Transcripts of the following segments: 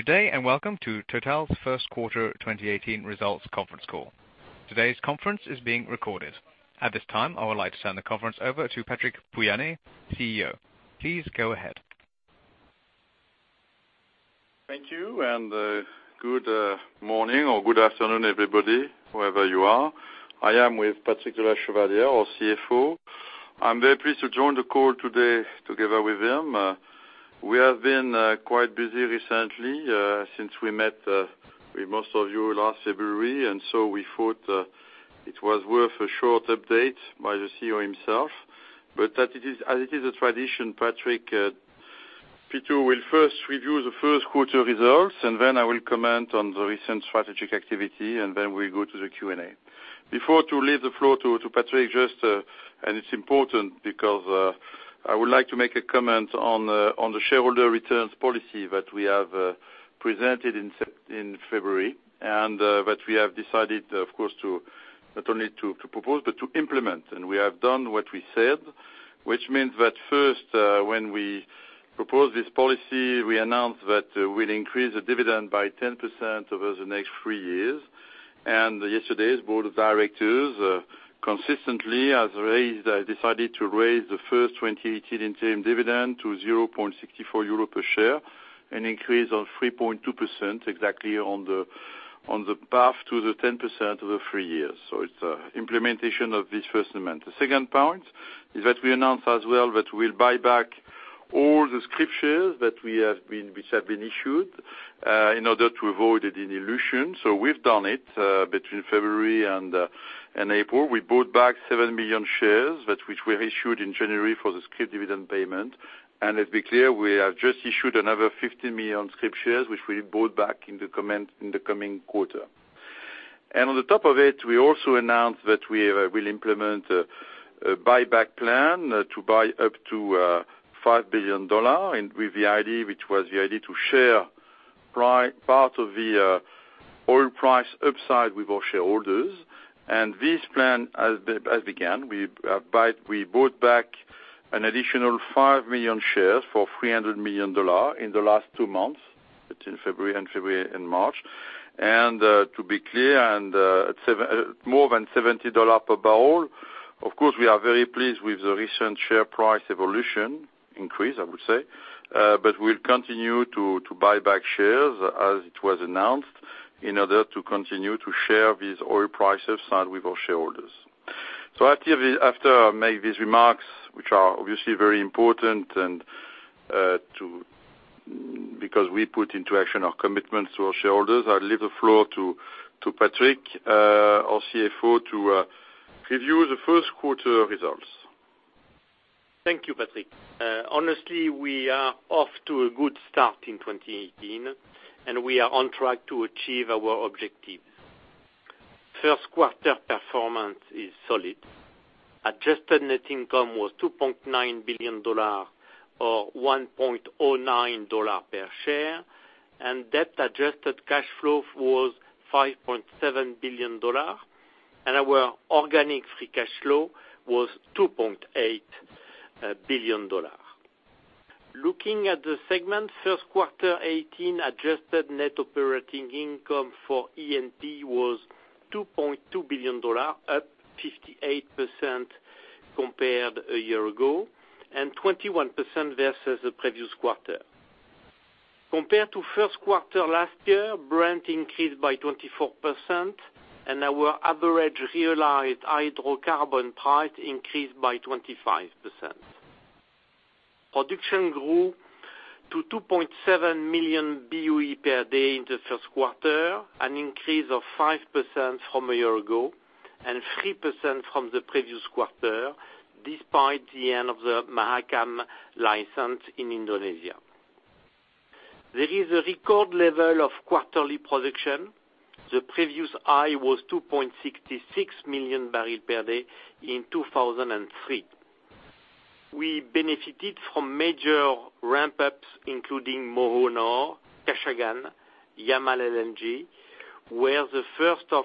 Good day. Welcome to Total's first quarter 2018 results conference call. Today's conference is being recorded. At this time, I would like to turn the conference over to Patrick Pouyanné, CEO. Please go ahead. Thank you. Good morning or good afternoon, everybody, wherever you are. I am with Patrick de la Chevardière, our CFO. I'm very pleased to join the call today together with him. We have been quite busy recently since we met with most of you last February. We thought it was worth a short update by the CEO himself. As it is a tradition, Patrick, P2, will first review the first quarter results. Then I will comment on the recent strategic activity. Then we'll go to the Q&A. Before to leave the floor to Patrick. It's important because I would like to make a comment on the shareholder returns policy that we have presented in February, and that we have decided, of course, not only to propose but to implement. We have done what we said, which means that first, when we proposed this policy, we announced that we'll increase the dividend by 10% over the next three years. Yesterday's board of directors consistently decided to raise the first 2018 interim dividend to 0.64 euro per share, an increase of 3.2% exactly on the path to the 10% over three years. It's implementation of this first amendment. The second point is that we announced as well that we'll buy back all the scrip shares that have been issued in order to avoid the dilution. We've done it, between February and April. We bought back 7 million shares, which were issued in January for the scrip dividend payment. Let's be clear, we have just issued another 50 million scrip shares, which we bought back in the coming quarter. On the top of it, we also announced that we will implement a buyback plan to buy up to $5 billion with the idea, which was the idea to share part of the oil price upside with our shareholders. This plan has began. We bought back an additional 5 million shares for $300 million in the last two months, between February and March. To be clear, at more than $70 per barrel, of course, we are very pleased with the recent share price evolution, increase, I would say. We'll continue to buy back shares as it was announced, in order to continue to share this oil price upside with our shareholders. After I make these remarks, which are obviously very important because we put into action our commitment to our shareholders, I'll leave the floor to Patrick, our CFO, to review the first quarter results. Thank you, Patrick. Honestly, we are off to a good start in 2018. We are on track to achieve our objectives. First quarter performance is solid. Adjusted net income was $2.9 billion or $1.09 per share. Debt-adjusted cash flow was $5.7 billion. Our organic free cash flow was $2.8 billion. Looking at the segment, first quarter 2018 adjusted net operating income for E&P was $2.2 billion, up 58% compared a year ago, 21% versus the previous quarter. Compared to first quarter last year, Brent increased by 24%. Our average realized hydrocarbon price increased by 25%. Production grew to 2.7 million BOE per day in the first quarter, an increase of 5% from a year ago, 3% from the previous quarter, despite the end of the Mahakam license in Indonesia. There is a record level of quarterly production. The previous high was 2.66 million barrels per day in 2003. We benefited from major ramp-ups, including Moho Nord, Kashagan, Yamal LNG, where the first of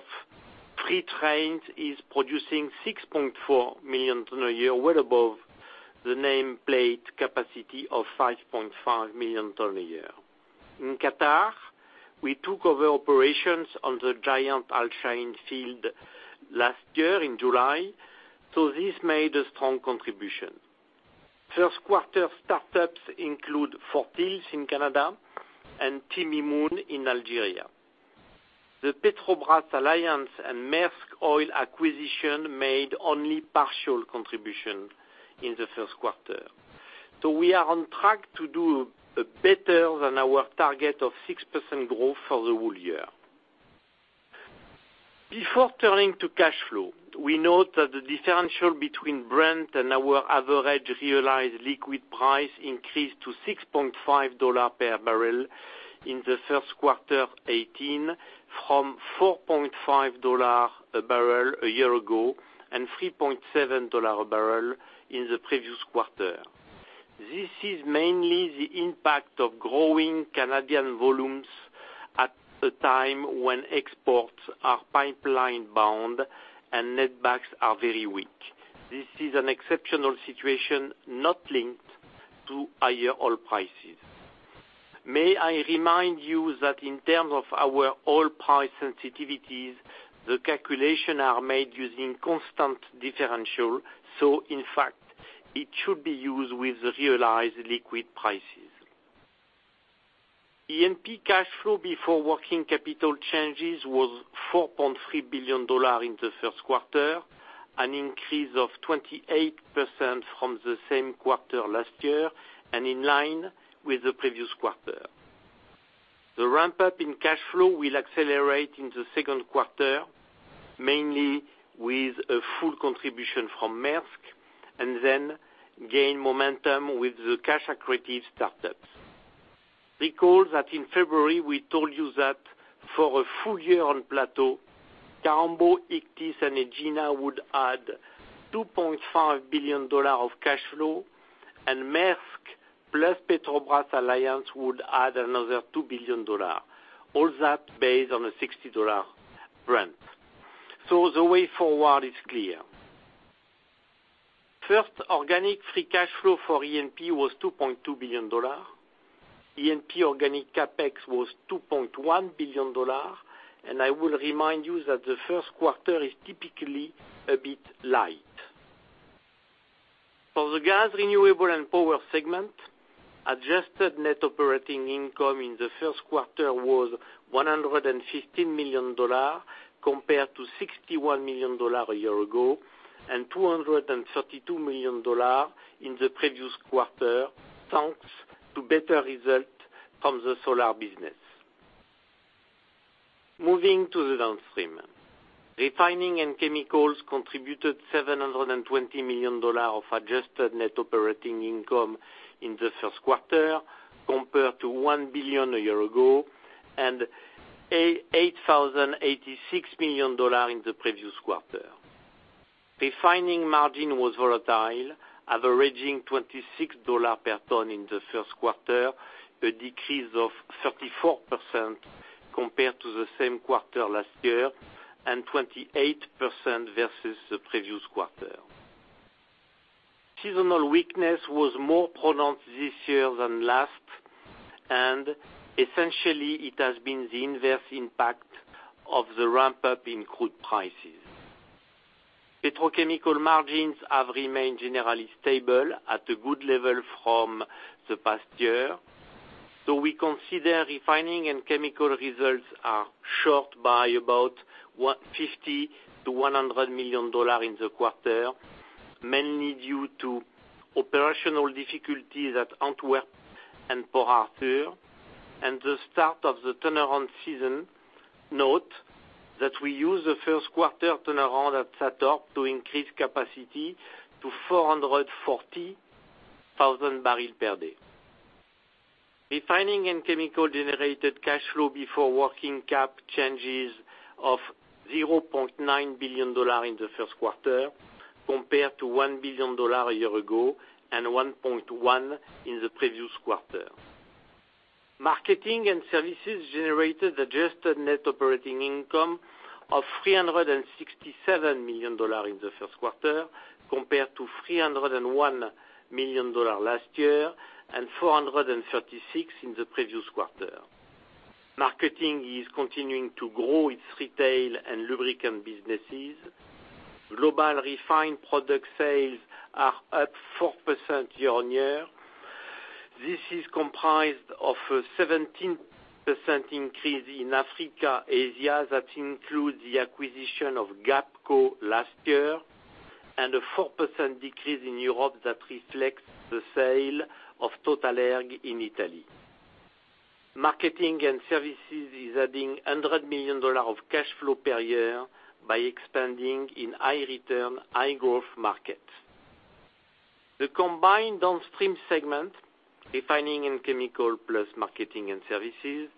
three trains is producing 6.4 million ton a year, well above the nameplate capacity of 5.5 million ton a year. In Qatar, we took over operations on the giant Al Shaheen field last year in July. This made a strong contribution. First quarter startups include Fort Hills in Canada and Timimoun in Algeria. The Petrobras alliance and Maersk Oil acquisition made only partial contribution in the first quarter. We are on track to do better than our target of 6% growth for the whole year. Before turning to cash flow, we note that the differential between Brent and our average realized liquid price increased to $6.5 per barrel in the first quarter 2018 from $4.5 a barrel a year ago, $3.7 a barrel in the previous quarter. This is mainly the impact of growing Canadian volumes At the time when exports are pipeline bound and netbacks are very weak. This is an exceptional situation, not linked to higher oil prices. May I remind you that in terms of our oil price sensitivities, the calculation are made using constant differential. In fact, it should be used with realized liquid prices. E&P cash flow before working capital changes was $4.3 billion in the first quarter, an increase of 28% from the same quarter last year, in line with the previous quarter. The ramp-up in cash flow will accelerate in the second quarter, mainly with a full contribution from Maersk, then gain momentum with the cash accretive startups. Recall that in February, we told you that for a full year on plateau, Kaombo, Ichthys, and Egina would add $2.5 billion of cash flow. Maersk plus Petrobras alliance would add another $2 billion. All that based on a $60 Brent. The way forward is clear. First, organic free cash flow for E&P was $2.2 billion. E&P organic CapEx was $2.1 billion. I will remind you that the first quarter is typically a bit light. For the gas, renewable, and power segment, adjusted net operating income in the first quarter was $115 million compared to $61 million a year ago, $232 million in the previous quarter, thanks to better result from the solar business. Moving to the downstream. Refining and Chemicals contributed EUR 720 million of adjusted net operating income in the first quarter compared to 1 billion a year ago, and EUR 886 million in the previous quarter. Refining margin was volatile, averaging EUR 26 per ton in the first quarter, a decrease of 34% compared to the same quarter last year, and 28% versus the previous quarter. Seasonal weakness was more pronounced this year than last, and essentially it has been the inverse impact of the ramp-up in crude prices. Petrochemical margins have remained generally stable at a good level from the past year. We consider Refining and Chemicals results are short by about EUR 50 million-EUR 100 million in the quarter, mainly due to operational difficulties at Antwerp and Port Arthur, and the start of the turnaround season. Note that we used the first quarter turnaround at SATORP to increase capacity to 440,000 barrels per day. Refining and Chemicals generated cash flow before working cap changes of EUR 0.9 billion in the first quarter compared to EUR 1 billion a year ago, and 1.1 billion in the previous quarter. Marketing and Services generated adjusted net operating income of EUR 367 million in the first quarter, compared to EUR 301 million last year and EUR 436 million in the previous quarter. Marketing is continuing to grow its retail and lubricant businesses. Global refined product sales are up 4% year-on-year. This is comprised of a 17% increase in Africa, Asia, that includes the acquisition of Gapco last year, and a 4% decrease in Europe that reflects the sale of TotalErg in Italy. Marketing and Services is adding EUR 100 million of cash flow per year by expanding in high return, high growth markets. The combined Downstream segment, Refining and Chemicals plus Marketing and Services,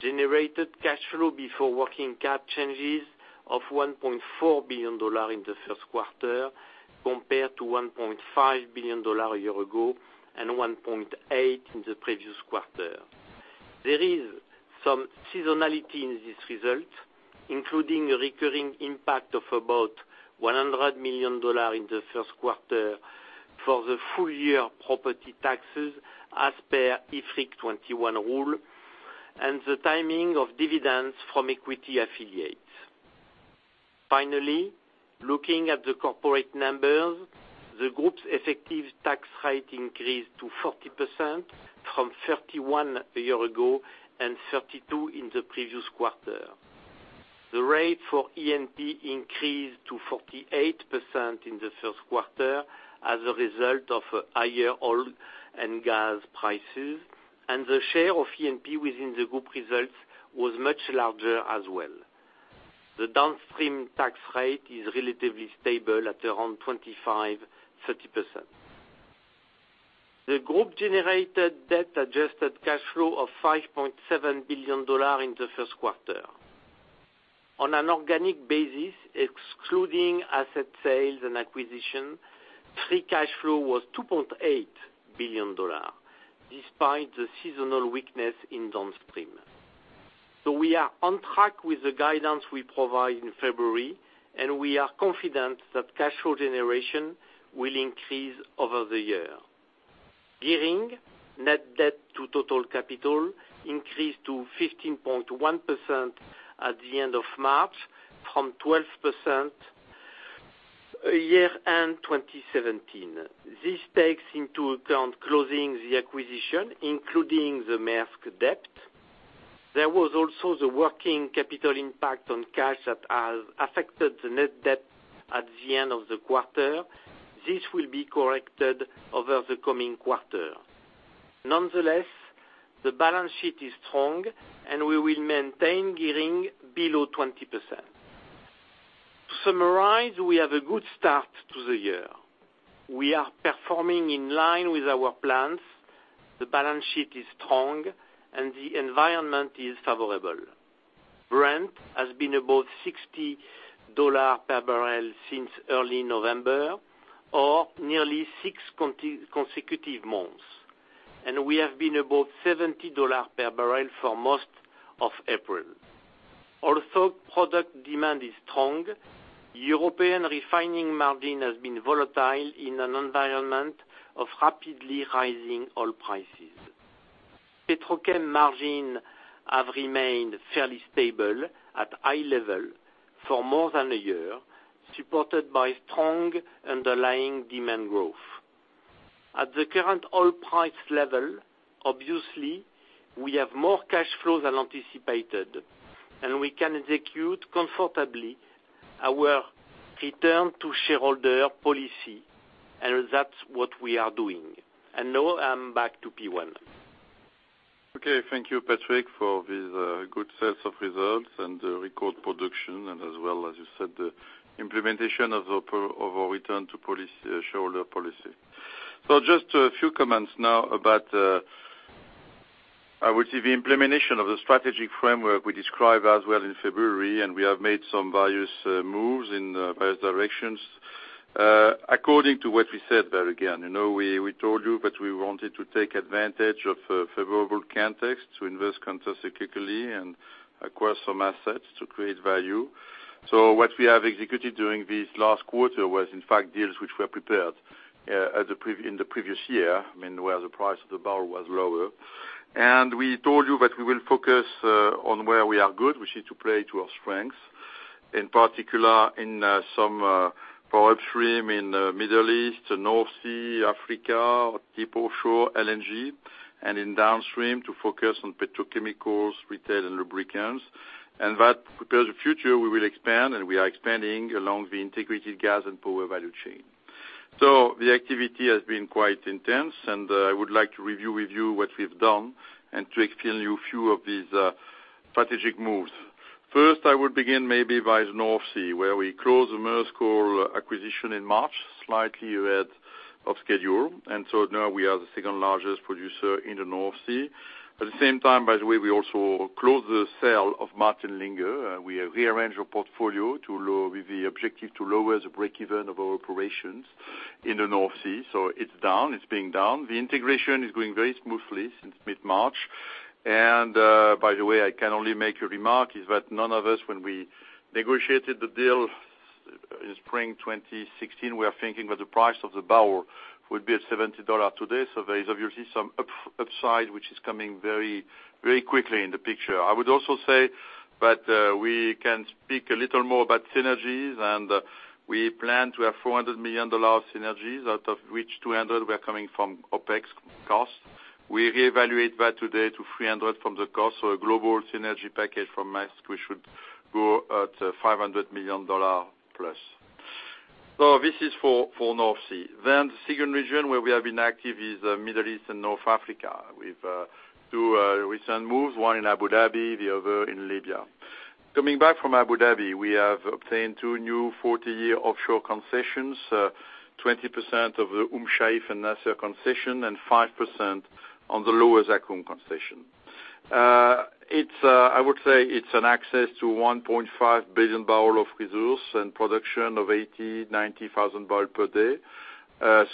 generated cash flow before working cap changes of EUR 1.4 billion in the first quarter compared to EUR 1.5 billion a year ago, and 1.8 billion in the previous quarter. There is some seasonality in this result, including a recurring impact of about EUR 100 million in the first quarter for the full year property taxes as per IFRIC 21 rule and the timing of dividends from equity affiliates. Finally, looking at the corporate numbers, the group's effective tax rate increased to 40% from 31% a year ago and 32% in the previous quarter. The rate for E&P increased to 48% in the first quarter as a result of higher oil and gas prices, and the share of E&P within the group results was much larger as well. The Downstream tax rate is relatively stable at around 25%-30%. The group generated debt-adjusted cash flow of $5.7 billion in the first quarter. On an organic basis, excluding asset sales and acquisition, free cash flow was EUR 2.8 billion, despite the seasonal weakness in Downstream. We are on track with the guidance we provide in February, and we are confident that cash flow generation will increase over the year. Gearing net debt to total capital increased to 15.1% at the end of March from 12% year-end 2017. This takes into account closing the acquisition, including the Maersk debt. There was also the working capital impact on cash that has affected the net debt at the end of the quarter. This will be corrected over the coming quarter. Nonetheless, the balance sheet is strong, and we will maintain gearing below 20%. To summarize, we have a good start to the year. We are performing in line with our plans. The balance sheet is strong and the environment is favorable. Brent has been above $60 per barrel since early November, or nearly six consecutive months, and we have been above $70 per barrel for most of April. Also, product demand is strong. European refining margin has been volatile in an environment of rapidly rising oil prices. Petrochem margin have remained fairly stable at high level for more than one year, supported by strong underlying demand growth. At the current oil price level, obviously, we have more cash flows than anticipated, and we can execute comfortably our return to shareholder policy, and that's what we are doing. Now, I hand back to Pitou. Okay, thank you, Patrick, for this good set of results, the record production, as well, as you said, the implementation of our return to shareholder policy. Just a few comments now about, I would say, the implementation of the strategic framework we described as well in February, we have made some various moves in various directions. According to what we said there again, we told you that we wanted to take advantage of favorable context to invest countercyclically and acquire some assets to create value. What we have executed during this last quarter was, in fact, deals which were prepared in the previous year, where the price of the barrel was lower. We told you that we will focus on where we are good, which is to play to our strengths, in particular in some upstream in Middle East, North Sea, Africa, deep offshore LNG, in downstream to focus on petrochemicals, retail, and lubricants. That prepares the future we will expand, we are expanding along the integrated gas and power value chain. The activity has been quite intense, I would like to review with you what we've done and to explain you a few of these strategic moves. First, I would begin maybe by the North Sea, where we closed the Maersk Oil acquisition in March, slightly ahead of schedule. Now we are the second-largest producer in the North Sea. At the same time, by the way, we also closed the sale of Martin Linge. We have rearranged our portfolio with the objective to lower the break-even of our operations in the North Sea. It's down. It's being down. The integration is going very smoothly since mid-March. By the way, I can only make a remark, is that none of us, when we negotiated the deal in spring 2016, we are thinking that the price of the barrel would be at $70 today. There is obviously some upside, which is coming very quickly in the picture. I would also say that we can speak a little more about synergies, we plan to have $400 million synergies, out of which $200 were coming from OpEx costs. We reevaluate that today to $300 from the cost. A global synergy package from Maersk, we should go at $500 million plus. This is for North Sea. The second region where we have been active is the Middle East and North Africa with two recent moves, one in Abu Dhabi, the other in Libya. Coming back from Abu Dhabi, we have obtained two new 40-year offshore concessions, 20% of the Umm Shaif and Nasr concession and 5% on the Lower Zakum concession. I would say it's an access to 1.5 billion barrel of resource and production of 80,000-90,000 barrel per day. A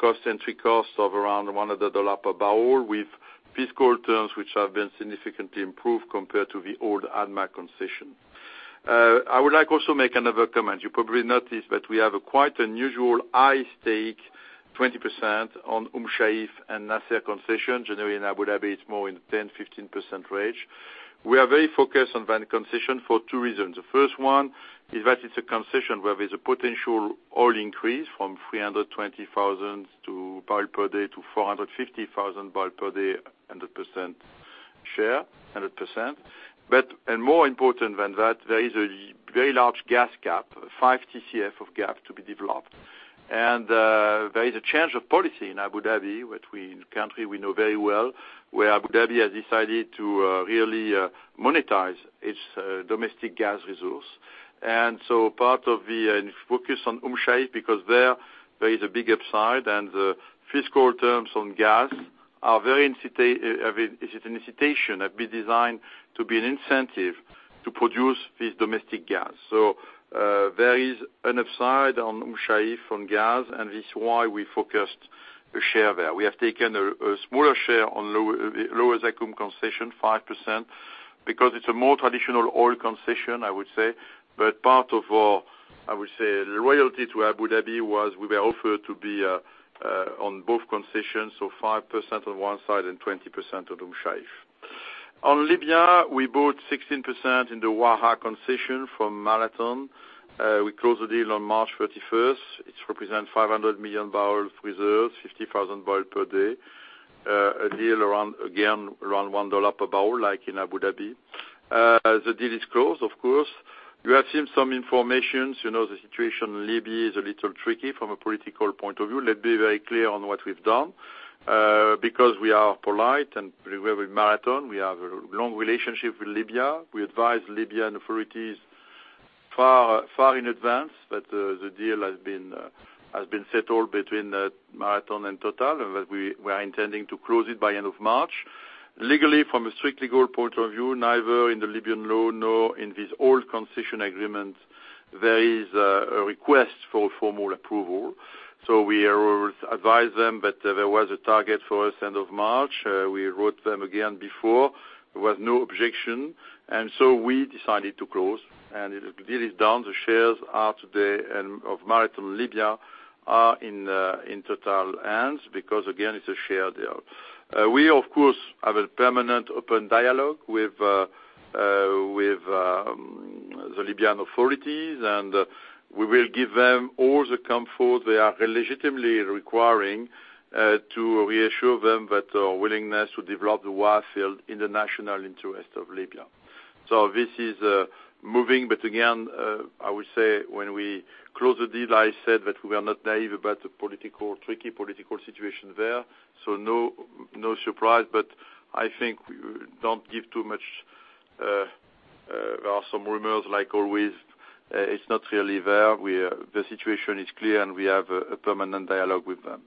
cost, entry cost of around $100 per barrel with fiscal terms which have been significantly improved compared to the old ADMA concession. I would like also make another comment. You probably noticed that we have a quite unusual high stake, 20%, on Umm Shaif and Nasr concession. Generally, in Abu Dhabi, it's more in 10%-15% range. We are very focused on that concession for two reasons. The first one is that it's a concession where there's a potential oil increase from 320,000 barrel per day to 450,000 barrel per day, 100% share, 100%. More important than that, there is a very large gas gap, five TCF of gap to be developed. There is a change of policy in Abu Dhabi, a country we know very well, where Abu Dhabi has decided to really monetize its domestic gas resource. Part of the focus on Umm Shaif, because there is a big upside, and the fiscal terms on gas are very incitation, have been designed to be an incentive to produce this domestic gas. There is an upside on Umm Shaif on gas, and this is why we focused a share there. We have taken a smaller share on Lower Zakum concession, 5%, because it's a more traditional oil concession, I would say. Part of our, I would say, loyalty to Abu Dhabi was we were offered to be on both concessions, so 5% on one side and 20% on Umm Shaif. On Libya, we bought 16% in the Waha concession from Marathon. We closed the deal on March 31st. It represents 500 million barrels reserved, 50,000 barrel per day. A deal around, again, $1 per barrel, like in Abu Dhabi. The deal is closed, of course. You have seen some information. The situation in Libya is a little tricky from a political point of view. Let's be very clear on what we've done. Because we are polite and we're with Marathon, we have a long relationship with Libya. We advised Libyan authorities far in advance that the deal has been settled between Marathon and Total, that we are intending to close it by end of March. Legally, from a strict legal point of view, neither in the Libyan law nor in this old concession agreement, there is a request for formal approval. We advised them that there was a target for us end of March. We wrote them again before. There was no objection. We decided to close. The deal is done. The shares are today, of Marathon Libya, are in Total hands because, again, it's a share deal. We, of course, have a permanent open dialogue with the Libyan authorities, and we will give them all the comfort they are legitimately requiring to reassure them that our willingness to develop the Waha field in the national interest of Libya. This is moving. Again, I would say when we closed the deal, I said that we are not naive about the tricky political situation there. No surprise, but I think don't give too much. There are some rumors, like always. It's not really there. The situation is clear, and we have a permanent dialogue with them.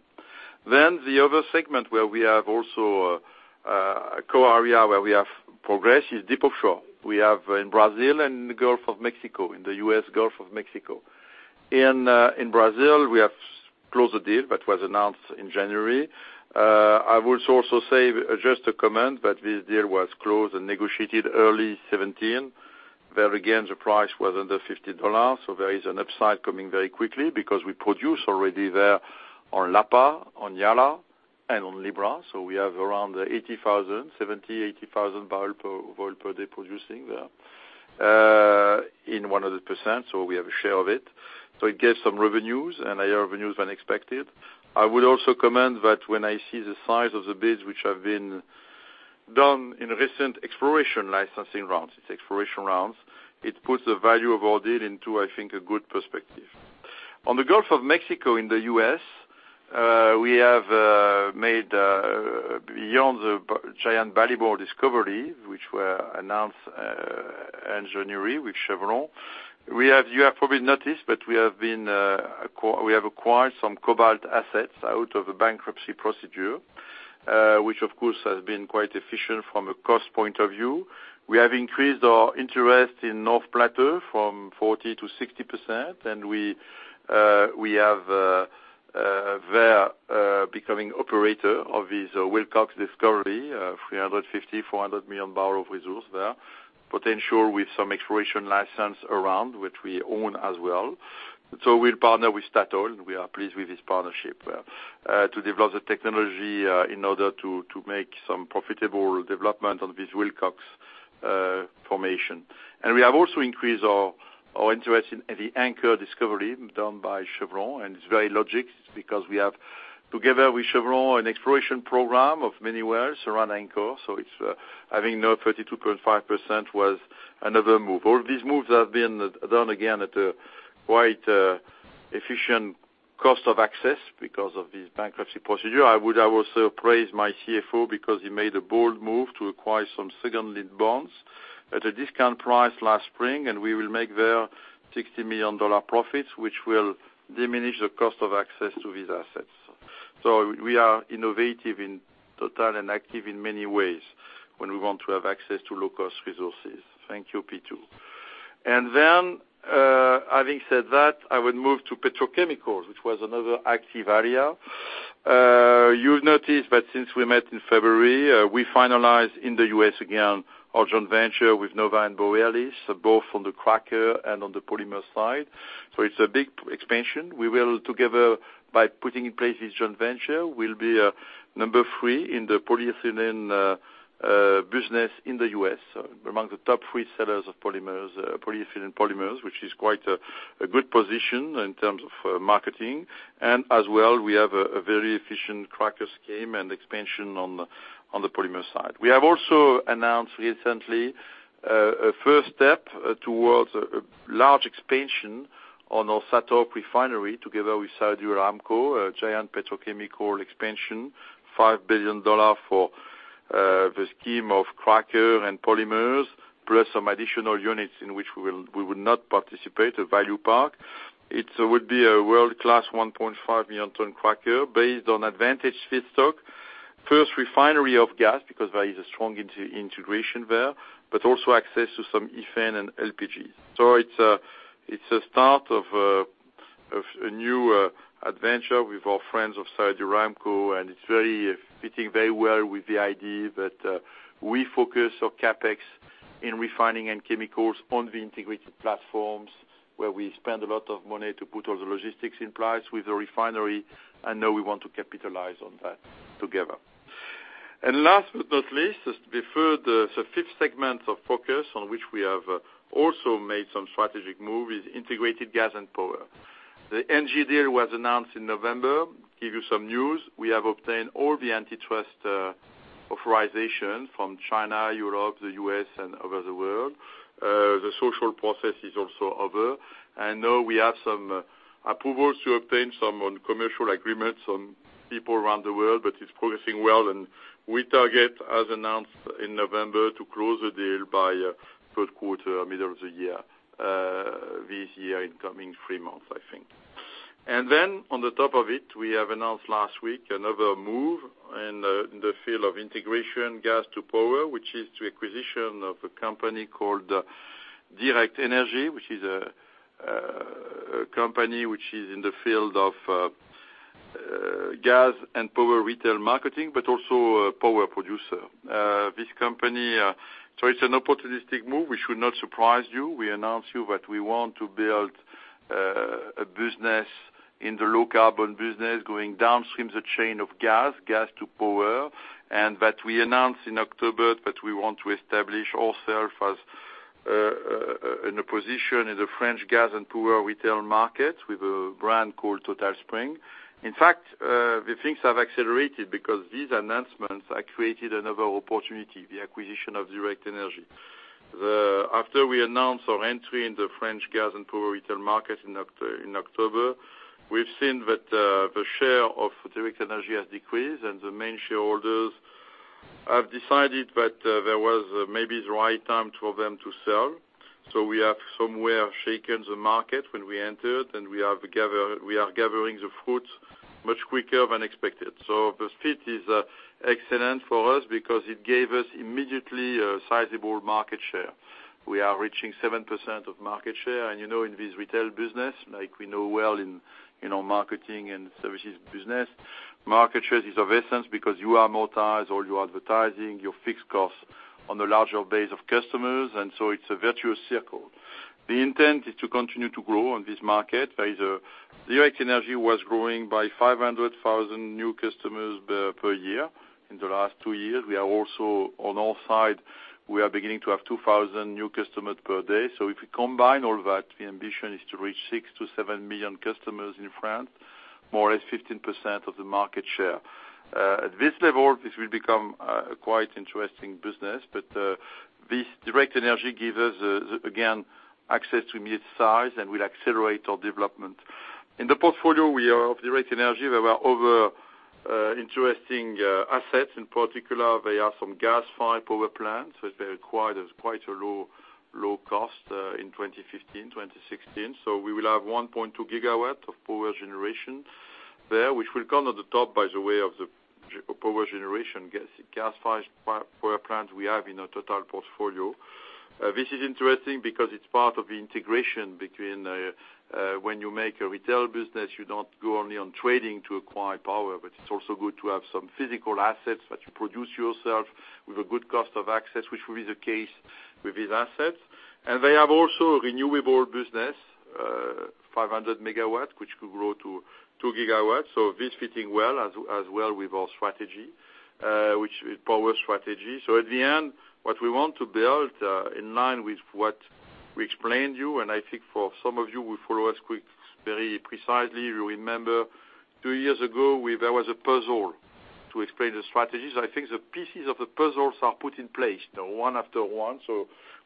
The other segment where we have also a core area where we have progress is deep offshore. We have in Brazil and in the Gulf of Mexico, in the U.S. Gulf of Mexico. In Brazil, we have closed the deal that was announced in January. I would also say, just to comment, that this deal was closed and negotiated early 2017. There, again, the price was under EUR 50. There is an upside coming very quickly because we produce already there on Lapa, on Iara, and on Libra. We have around 70,000, 80,000 barrel per oil per day producing there in 100%, so we have a share of it. It gives some revenues, and higher revenues than expected. I would also comment that when I see the size of the bids which have been done in recent exploration licensing rounds, it's exploration rounds, it puts the value of our deal into, I think, a good perspective. On the Gulf of Mexico in the U.S., we have made beyond the giant Ballymore discovery, which were announced end January with Chevron. You have probably noticed, but we have acquired some Cobalt assets out of a bankruptcy procedure, which of course has been quite efficient from a cost point of view. We have increased our interest in North Platte from 40% to 60%, and we have there becoming operator of this Wilcox discovery, 350, 400 million barrel of reserves there. Potential with some exploration license around, which we own as well. We'll partner with Statoil. We are pleased with this partnership to develop the technology in order to make some profitable development on this Wilcox formation. We have also increased our interest in the Anchor discovery done by Chevron, and it's very logic because we have, together with Chevron, an exploration program of many wells around Anchor. It's having now 32.5% was another move. All these moves have been done, again, at a quite efficient cost of access because of this bankruptcy procedure. I would also praise my CFO because he made a bold move to acquire some second lien bonds at a discount price last spring, and we will make there EUR 60 million profits, which will diminish the cost of access to these assets. We are innovative in Total and active in many ways when we want to have access to low-cost resources. Thank you, Pitou. Having said that, I would move to petrochemicals, which was another active area. You've noticed that since we met in February, we finalized in the U.S. again our joint venture with NOVA Chemicals and Borealis, both on the cracker and on the polymer side. It's a big expansion. We will together, by putting in place this joint venture, be number 3 in the polyethylene business in the U.S., among the top 3 sellers of polymers, polyethylene polymers, which is quite a good position in terms of marketing. As well, we have a very efficient cracker scheme and expansion on the polymer side. We have also announced recently a first step towards a large expansion on our SATORP refinery together with Saudi Aramco, a giant petrochemical expansion, EUR 5 billion for the scheme of cracker and polymers, plus some additional units in which we will not participate at Value Park. It would be a world-class 1.5 million ton cracker based on advantage feedstock. First refinery of gas, because there is a strong integration there, but also access to some ethane and LPG. It's a start of a new adventure with our friends of Saudi Aramco, and it's fitting very well with the idea that we focus our CapEx in refining and chemicals on the integrated platforms, where we spend a lot of money to put all the logistics in place with the refinery, Now we want to capitalize on that together. Last but not least, the 5th segment of focus on which we have also made some strategic move is integrated gas and power. The Engie deal was announced in November. We give you some news. We have obtained all the antitrust authorization from China, Europe, the U.S., and other the world. The social process is also over. Now we have some approvals to obtain some on commercial agreements on people around the world, but it's progressing well. We target, as announced in November, to close the deal by third quarter, middle of the year, this year in coming three months, I think. Then on the top of it, we have announced last week another move in the field of integration gas to power, which is the acquisition of a company called Direct Énergie, which is a company which is in the field of gas and power retail marketing, but also a power producer. It's an opportunistic move, which should not surprise you. We announce you that we want to build a business in the low carbon business, going downstream the chain of gas to power. That we announced in October that we want to establish ourself in a position in the French gas and power retail market with a brand called Total Spring. In fact, the things have accelerated because these announcements have created another opportunity, the acquisition of Direct Énergie. After we announced our entry in the French gas and power retail market in October, we've seen that the share of Direct Énergie has decreased and the main shareholders have decided that there was maybe the right time for them to sell. We have somewhere shaken the market when we entered, and we are gathering the fruits much quicker than expected. The fit is excellent for us because it gave us immediately a sizable market share. We are reaching 7% of market share. In this retail business, like we know well in our marketing and services business, market share is of essence because you amortize all your advertising, your fixed costs on a larger base of customers, and so it's a virtuous circle. The intent is to continue to grow on this market. Direct Energie was growing by 500,000 new customers per year in the last two years. We are also on our side, we are beginning to have 2,000 new customers per day. If we combine all that, the ambition is to reach six to seven million customers in France, more or less 15% of the market share. At this level, this will become a quite interesting business, but this Direct Energie give us, again, access to mid-size and will accelerate our development. In the portfolio of Direct Energie, there were other interesting assets. In particular, there are some gas-fired power plants, which they acquired as quite a low cost in 2015, 2016. We will have 1.2 gigawatts of power generation there, which will come at the top, by the way, of the power generation gas-fired power plants we have in our Total portfolio. This is interesting because it's part of the integration between when you make a retail business, you don't go only on trading to acquire power, but it's also good to have some physical assets that you produce yourself with a good cost of access, which will be the case with these assets. They have also a renewable business, 500 megawatts, which could grow to two gigawatts. This fitting well as well with our power strategy. At the end, what we want to build, in line with what we explained you, I think for some of you who follow us very precisely, you remember two years ago, there was a puzzle to explain the strategies. I think the pieces of the puzzles are put in place now one after one.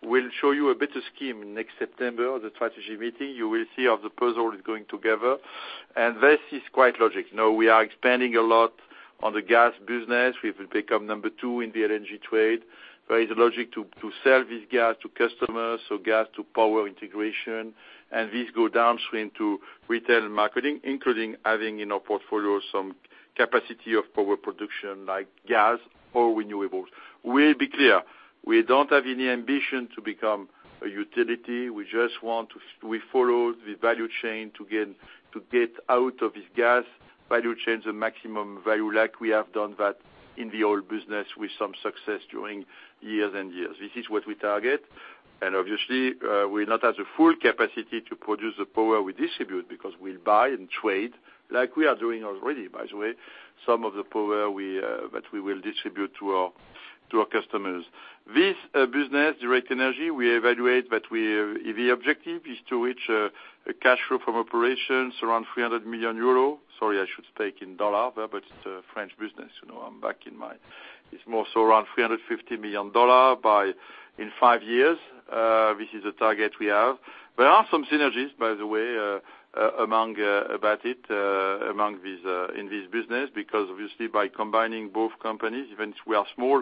We'll show you a better scheme next September at the strategy meeting. You will see how the puzzle is going together. This is quite logic. Now we are expanding a lot on the gas business. We will become number two in the LNG trade. There is a logic to sell this gas to customers, so gas to power integration. This go downstream to retail marketing, including having in our portfolio some capacity of power production like gas or renewables. We'll be clear, we don't have any ambition to become a utility. We follow the value chain to get out of this gas value chain the maximum value like we have done that in the oil business with some success during years and years. This is what we target. Obviously, we not have the full capacity to produce the power we distribute because we'll buy and trade, like we are doing already by the way, some of the power that we will distribute to our customers. This business, Direct Energie, we evaluate that the objective is to reach a cash flow from operations around 300 million euro. Sorry, I should speak in dollar there, but it's a French business. I'm back in my. It's more so around $350 million in five years. This is the target we have. There are some synergies, by the way, about it in this business because obviously by combining both companies, even if we are small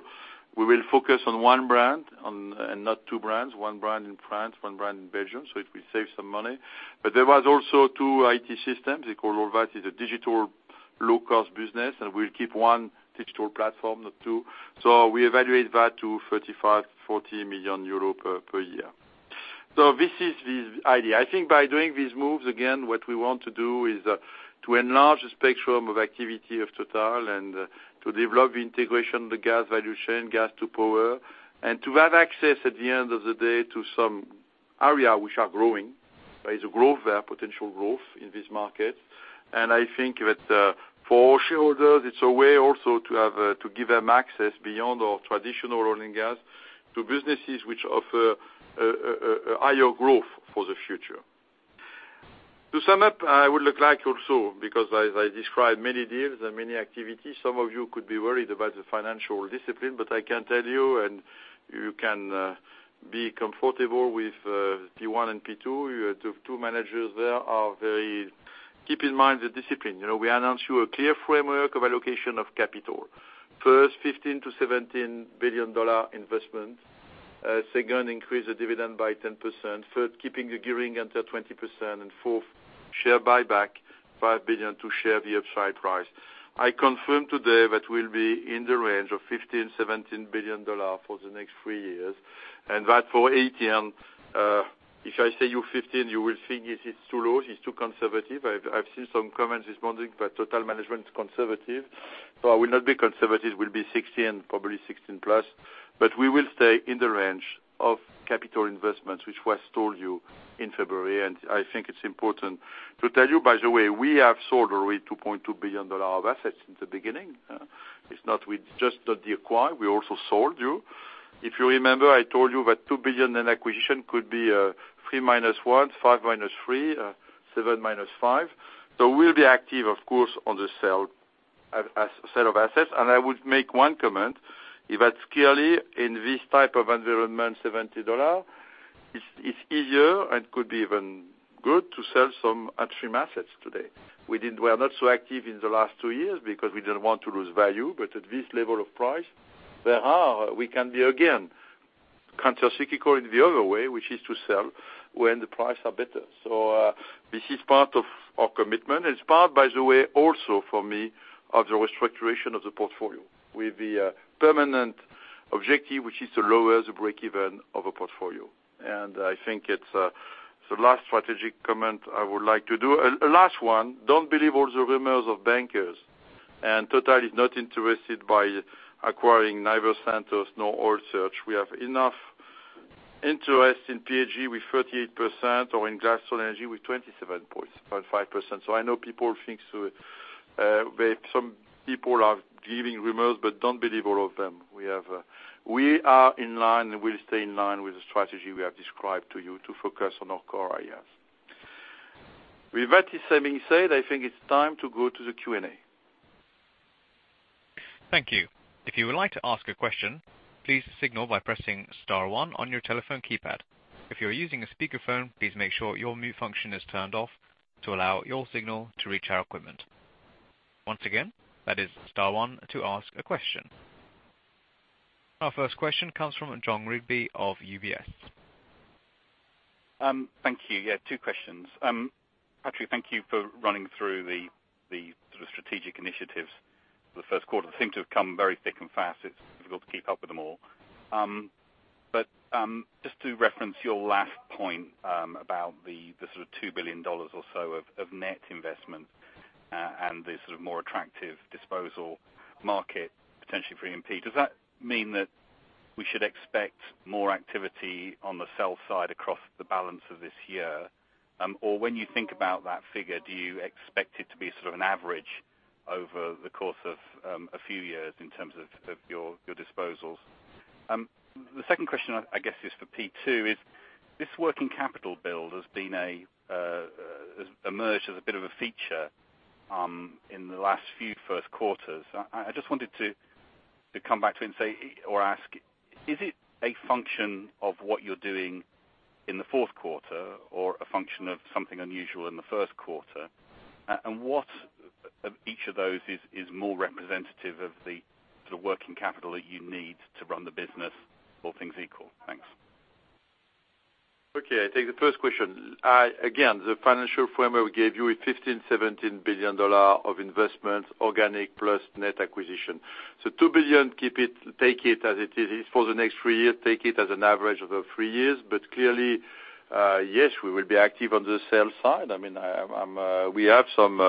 We will focus on one brand and not two brands, one brand in France, one brand in Belgium, so it will save some money. There was also two IT systems. We'll keep one digital platform, not two. We evaluate that to 35 million-40 million euros per year. This is the idea. I think by doing these moves, again, what we want to do is to enlarge the spectrum of activity of Total and to develop integration of the gas value chain, gas to power, and to have access, at the end of the day, to some area which are growing. There is a growth there, potential growth in this market. I think that for shareholders, it's a way also to give them access beyond our traditional oil and gas to businesses which offer a higher growth for the future. To sum up, I would like also, because as I described many deals and many activities, some of you could be worried about the financial discipline, I can tell you, and you can be comfortable with P1 and P2, the two managers there keep in mind the discipline. We announce you a clear framework of allocation of capital. First, $15 billion-$17 billion investment. Second, increase the dividend by 10%. Third, keeping the gearing under 20%. Fourth, share buyback, $5 billion to share the upside price. I confirm today that we'll be in the range of $15 billion-$17 billion for the next three years. That for ATM, if I say you 15, you will think it's too low, it's too conservative. I've seen some comments this morning that Total management is conservative. I will not be conservative, will be 16, probably 16+. We will stay in the range of capital investments, which was told you in February, I think it's important to tell you. By the way, we have sold already $2.2 billion of assets in the beginning. It's not we just acquire, we also sold you. If you remember, I told you that $2 billion in acquisition could be a three minus one, five minus three, seven minus five. We'll be active, of course, on the sale of assets. I would make one comment, that clearly in this type of environment, $70, it's easier and could be even good to sell some upstream assets today. We were not so active in the last two years because we didn't want to lose value, but at this level of price, we can be, again, counter cyclical in the other way, which is to sell when the price are better. This is part of our commitment. It's part, by the way, also for me, of the restructuration of the portfolio with the permanent objective, which is to lower the break even of a portfolio. I think it's the last strategic comment I would like to do. A last one, don't believe all the rumors of bankers. Total is not interested by acquiring neither Santos nor Oil Search. We have enough interest in PNG with 38% or in Gladstone Energy with 27.5%. I know some people are giving rumors, but don't believe all of them. We are in line and we'll stay in line with the strategy we have described to you to focus on our core areas. With that is having said, I think it's time to go to the Q&A. Thank you. If you would like to ask a question, please signal by pressing star one on your telephone keypad. If you're using a speakerphone, please make sure your mute function is turned off to allow your signal to reach our equipment. Once again, that is star one to ask a question. Our first question comes from Jon Rigby of UBS. Thank you. Two questions. Patrick, thank you for running through the strategic initiatives for the first quarter. They seem to have come very thick and fast. It is difficult to keep up with them all. Just to reference your last point about the EUR 2 billion or so of net investment and the more attractive disposal market potentially for E&P. Does that mean that we should expect more activity on the sell side across the balance of this year? When you think about that figure, do you expect it to be an average over the course of a few years in terms of your disposals? The second question, I guess, is for P2, is this working capital build has emerged as a bit of a feature in the last two first quarters. I just wanted to come back to it and say, or ask, is it a function of what you are doing in the fourth quarter or a function of something unusual in the first quarter? What of each of those is more representative of the working capital that you need to run the business, all things equal? Thanks. I take the first question. Again, the financial framework we gave you is 15 billion, EUR 17 billion of investment, organic plus net acquisition. 2 billion, take it as it is. It is for the next three years, take it as an average of the three years. Clearly, yes, we will be active on the sell side. We have some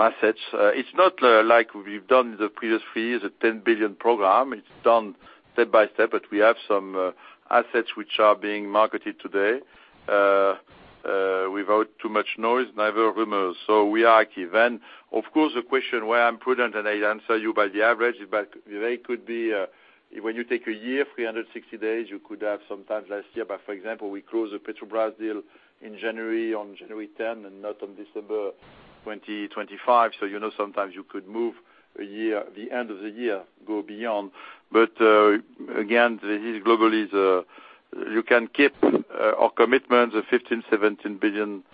assets. It is not like we have done the previous three years, a 10 billion program. It is done step by step, we have some assets which are being marketed today without too much noise, neither rumors. We are active. Of course, the question why I am prudent, and I answer you by the average, when you take a year, 360 days, you could have some time last year. For example, we closed the Petrobras deal in January, on January 10, and not on December 2025. Sometimes you could move the end of the year, go beyond. Again, this is globally. You can keep our commitment of EUR 15 billion-EUR 17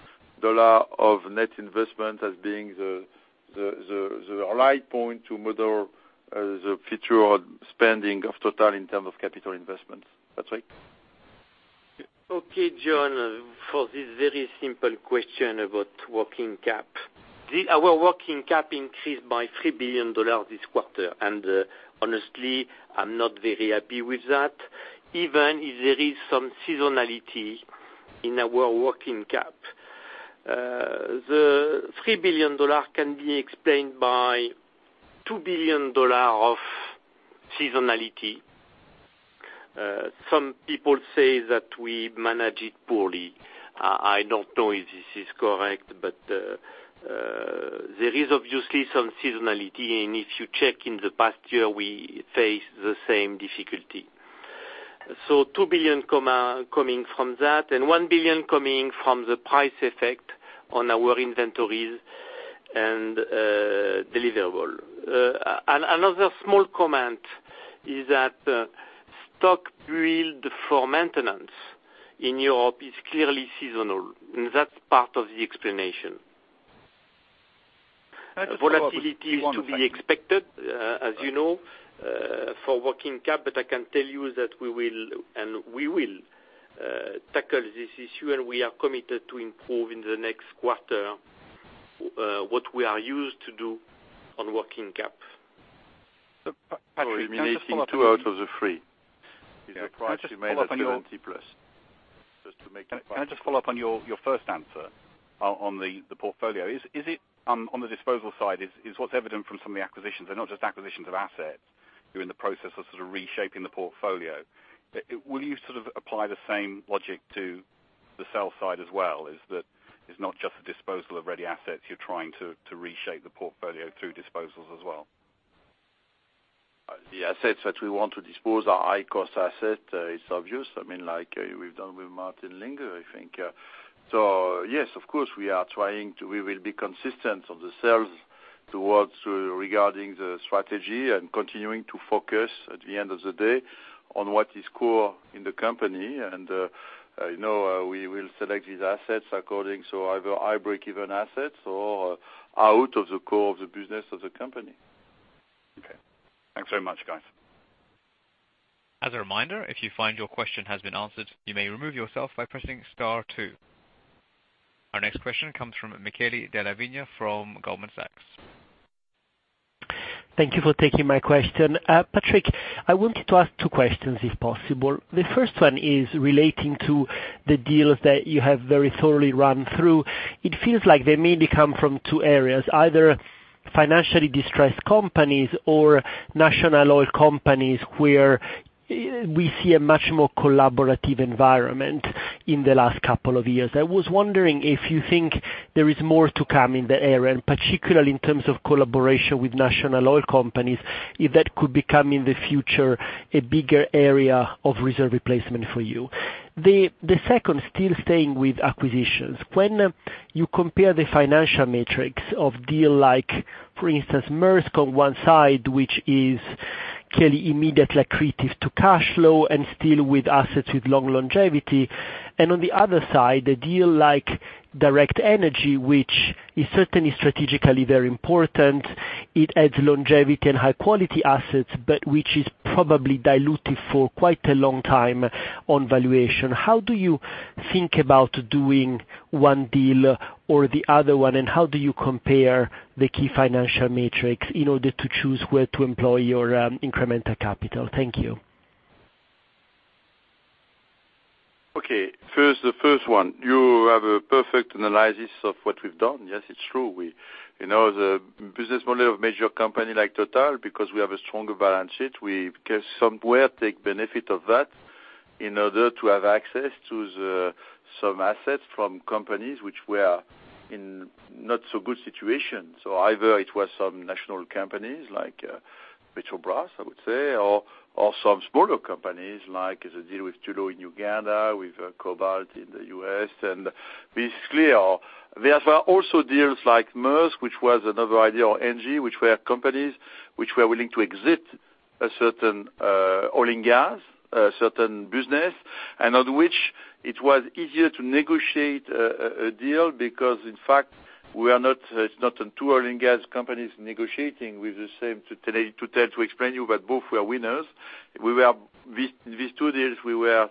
billion of net investment as being the right point to model the future spending of Total in terms of capital investment. That's right. Okay, Jon, for this very simple question about working cap. Our working cap increased by EUR 3 billion this quarter. Honestly, I'm not very happy with that. Even if there is some seasonality in our working cap. The EUR 3 billion can be explained by EUR 2 billion of seasonality. Some people say that we manage it poorly. I don't know if this is correct, but there is obviously some seasonality, and if you check in the past year, we faced the same difficulty. 2 billion coming from that and 1 billion coming from the price effect on our inventories and deliverable. Another small comment is that stock build for maintenance in Europe is clearly seasonal, and that's part of the explanation. Volatility is to be expected, as you know, for working cap, but I can tell you that we will tackle this issue, and we are committed to improve in the next quarter, what we are used to do on working cap. Patrick, can I just follow up with you? Eliminating two out of the three is a price you made up to a net plus. Can I just follow up on your first answer on the portfolio? On the disposal side, is what's evident from some of the acquisitions. They're not just acquisitions of assets. You're in the process of reshaping the portfolio. Will you apply the same logic to the sell side as well, is that it's not just a disposal of ready assets, you're trying to reshape the portfolio through disposals as well? Yes, of course, we will be consistent on the sales towards regarding the strategy and continuing to focus at the end of the day on what is core in the company. The assets that we want to dispose are high-cost asset. It's obvious, like we've done with Martin Linge, I think. We will select these assets according, so either high break-even assets or out of the core of the business of the company. Okay. Thanks very much, guys. As a reminder, if you find your question has been answered, you may remove yourself by pressing star two. Our next question comes from Michele Della Vigna from Goldman Sachs. Thank you for taking my question. Patrick, I wanted to ask two questions, if possible. The first one is relating to the deals that you have very thoroughly run through. It feels like they mainly come from two areas, either financially distressed companies or national oil companies, where we see a much more collaborative environment in the last couple of years. I was wondering if you think there is more to come in the area, and particularly in terms of collaboration with national oil companies, if that could become, in the future, a bigger area of reserve replacement for you. The second, still staying with acquisitions. When you compare the financial metrics of deal like, for instance, Maersk on one side, which is clearly immediately accretive to cash flow and still with assets with long longevity. On the other side, a deal like Direct Énergie, which is certainly strategically very important. It adds longevity and high-quality assets, but which is probably dilutive for quite a long time on valuation. How do you think about doing one deal or the other one, and how do you compare the key financial metrics in order to choose where to employ your incremental capital? Thank you. Okay. The first one, you have a perfect analysis of what we've done. Yes, it's true. The business model of major company like Total, because we have a stronger balance sheet, we can somewhere take benefit of that in order to have access to some assets from companies which were in not so good situation. Either it was some national companies like Petrobras, I would say, or some smaller companies, like the deal with Tullow Oil in Uganda, with Cobalt in the U.S. Be clear, there were also deals like Maersk, which was another idea, or Engie, which were companies which were willing to exit a certain oil and gas, a certain business, and on which it was easier to negotiate a deal because, in fact, it's not two oil and gas companies negotiating with the same, to explain you, but both were winners. These two deals, we were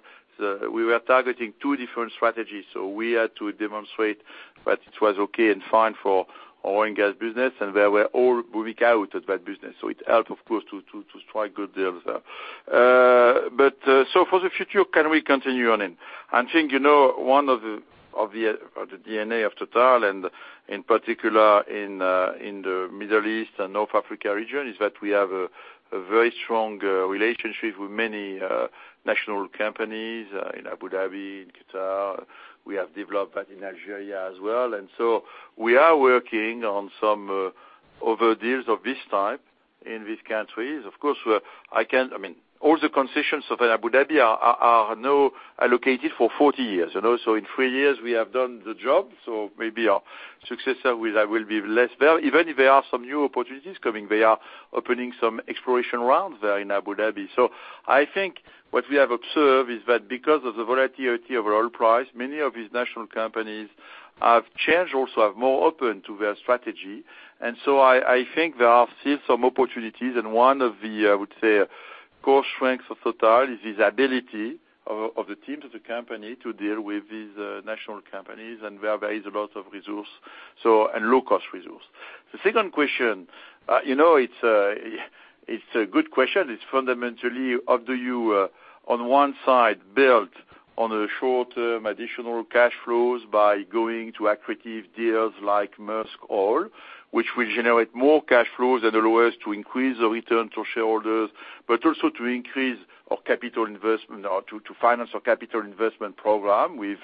targeting two different strategies. We had to demonstrate that it was okay and fine for our oil and gas business, and they were all moving out of that business. It helped, of course, to strike good deals there. For the future, can we continue on in? I think, one of the DNA of Total and in particular in the Middle East and North Africa region is that we have a very strong relationship with many national companies in Abu Dhabi, in Qatar. We have developed that in Algeria as well. We are working on some other deals of this type in these countries. Of course, all the concessions of Abu Dhabi are now allocated for 40 years. In three years, we have done the job. Maybe our successor will be less there. Even if there are some new opportunities coming, they are opening some exploration rounds there in Abu Dhabi. I think what we have observed is that because of the volatility of oil price, many of these national companies have changed also, are more open to their strategy. I think there are still some opportunities, and one of the, I would say, core strengths of Total is this ability of the teams of the company to deal with these national companies and where there is a lot of resource, and low-cost resource. The second question, it's a good question. It's fundamentally how do you, on one side build on the short-term additional cash flows by going to accretive deals like Maersk Oil, which will generate more cash flows and allow us to increase the return to shareholders, but also to increase our capital investment or to finance our capital investment program with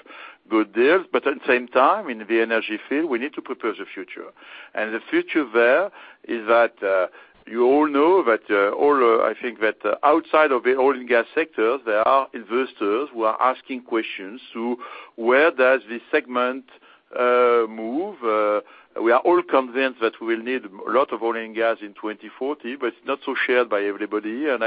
good deals. At the same time, in the energy field, we need to prepare the future. The future there is that you all know that all, I think that outside of the oil and gas sector, there are investors who are asking questions to where does this segment move? We are all convinced that we will need a lot of oil and gas in 2040, but it's not so shared by everybody. By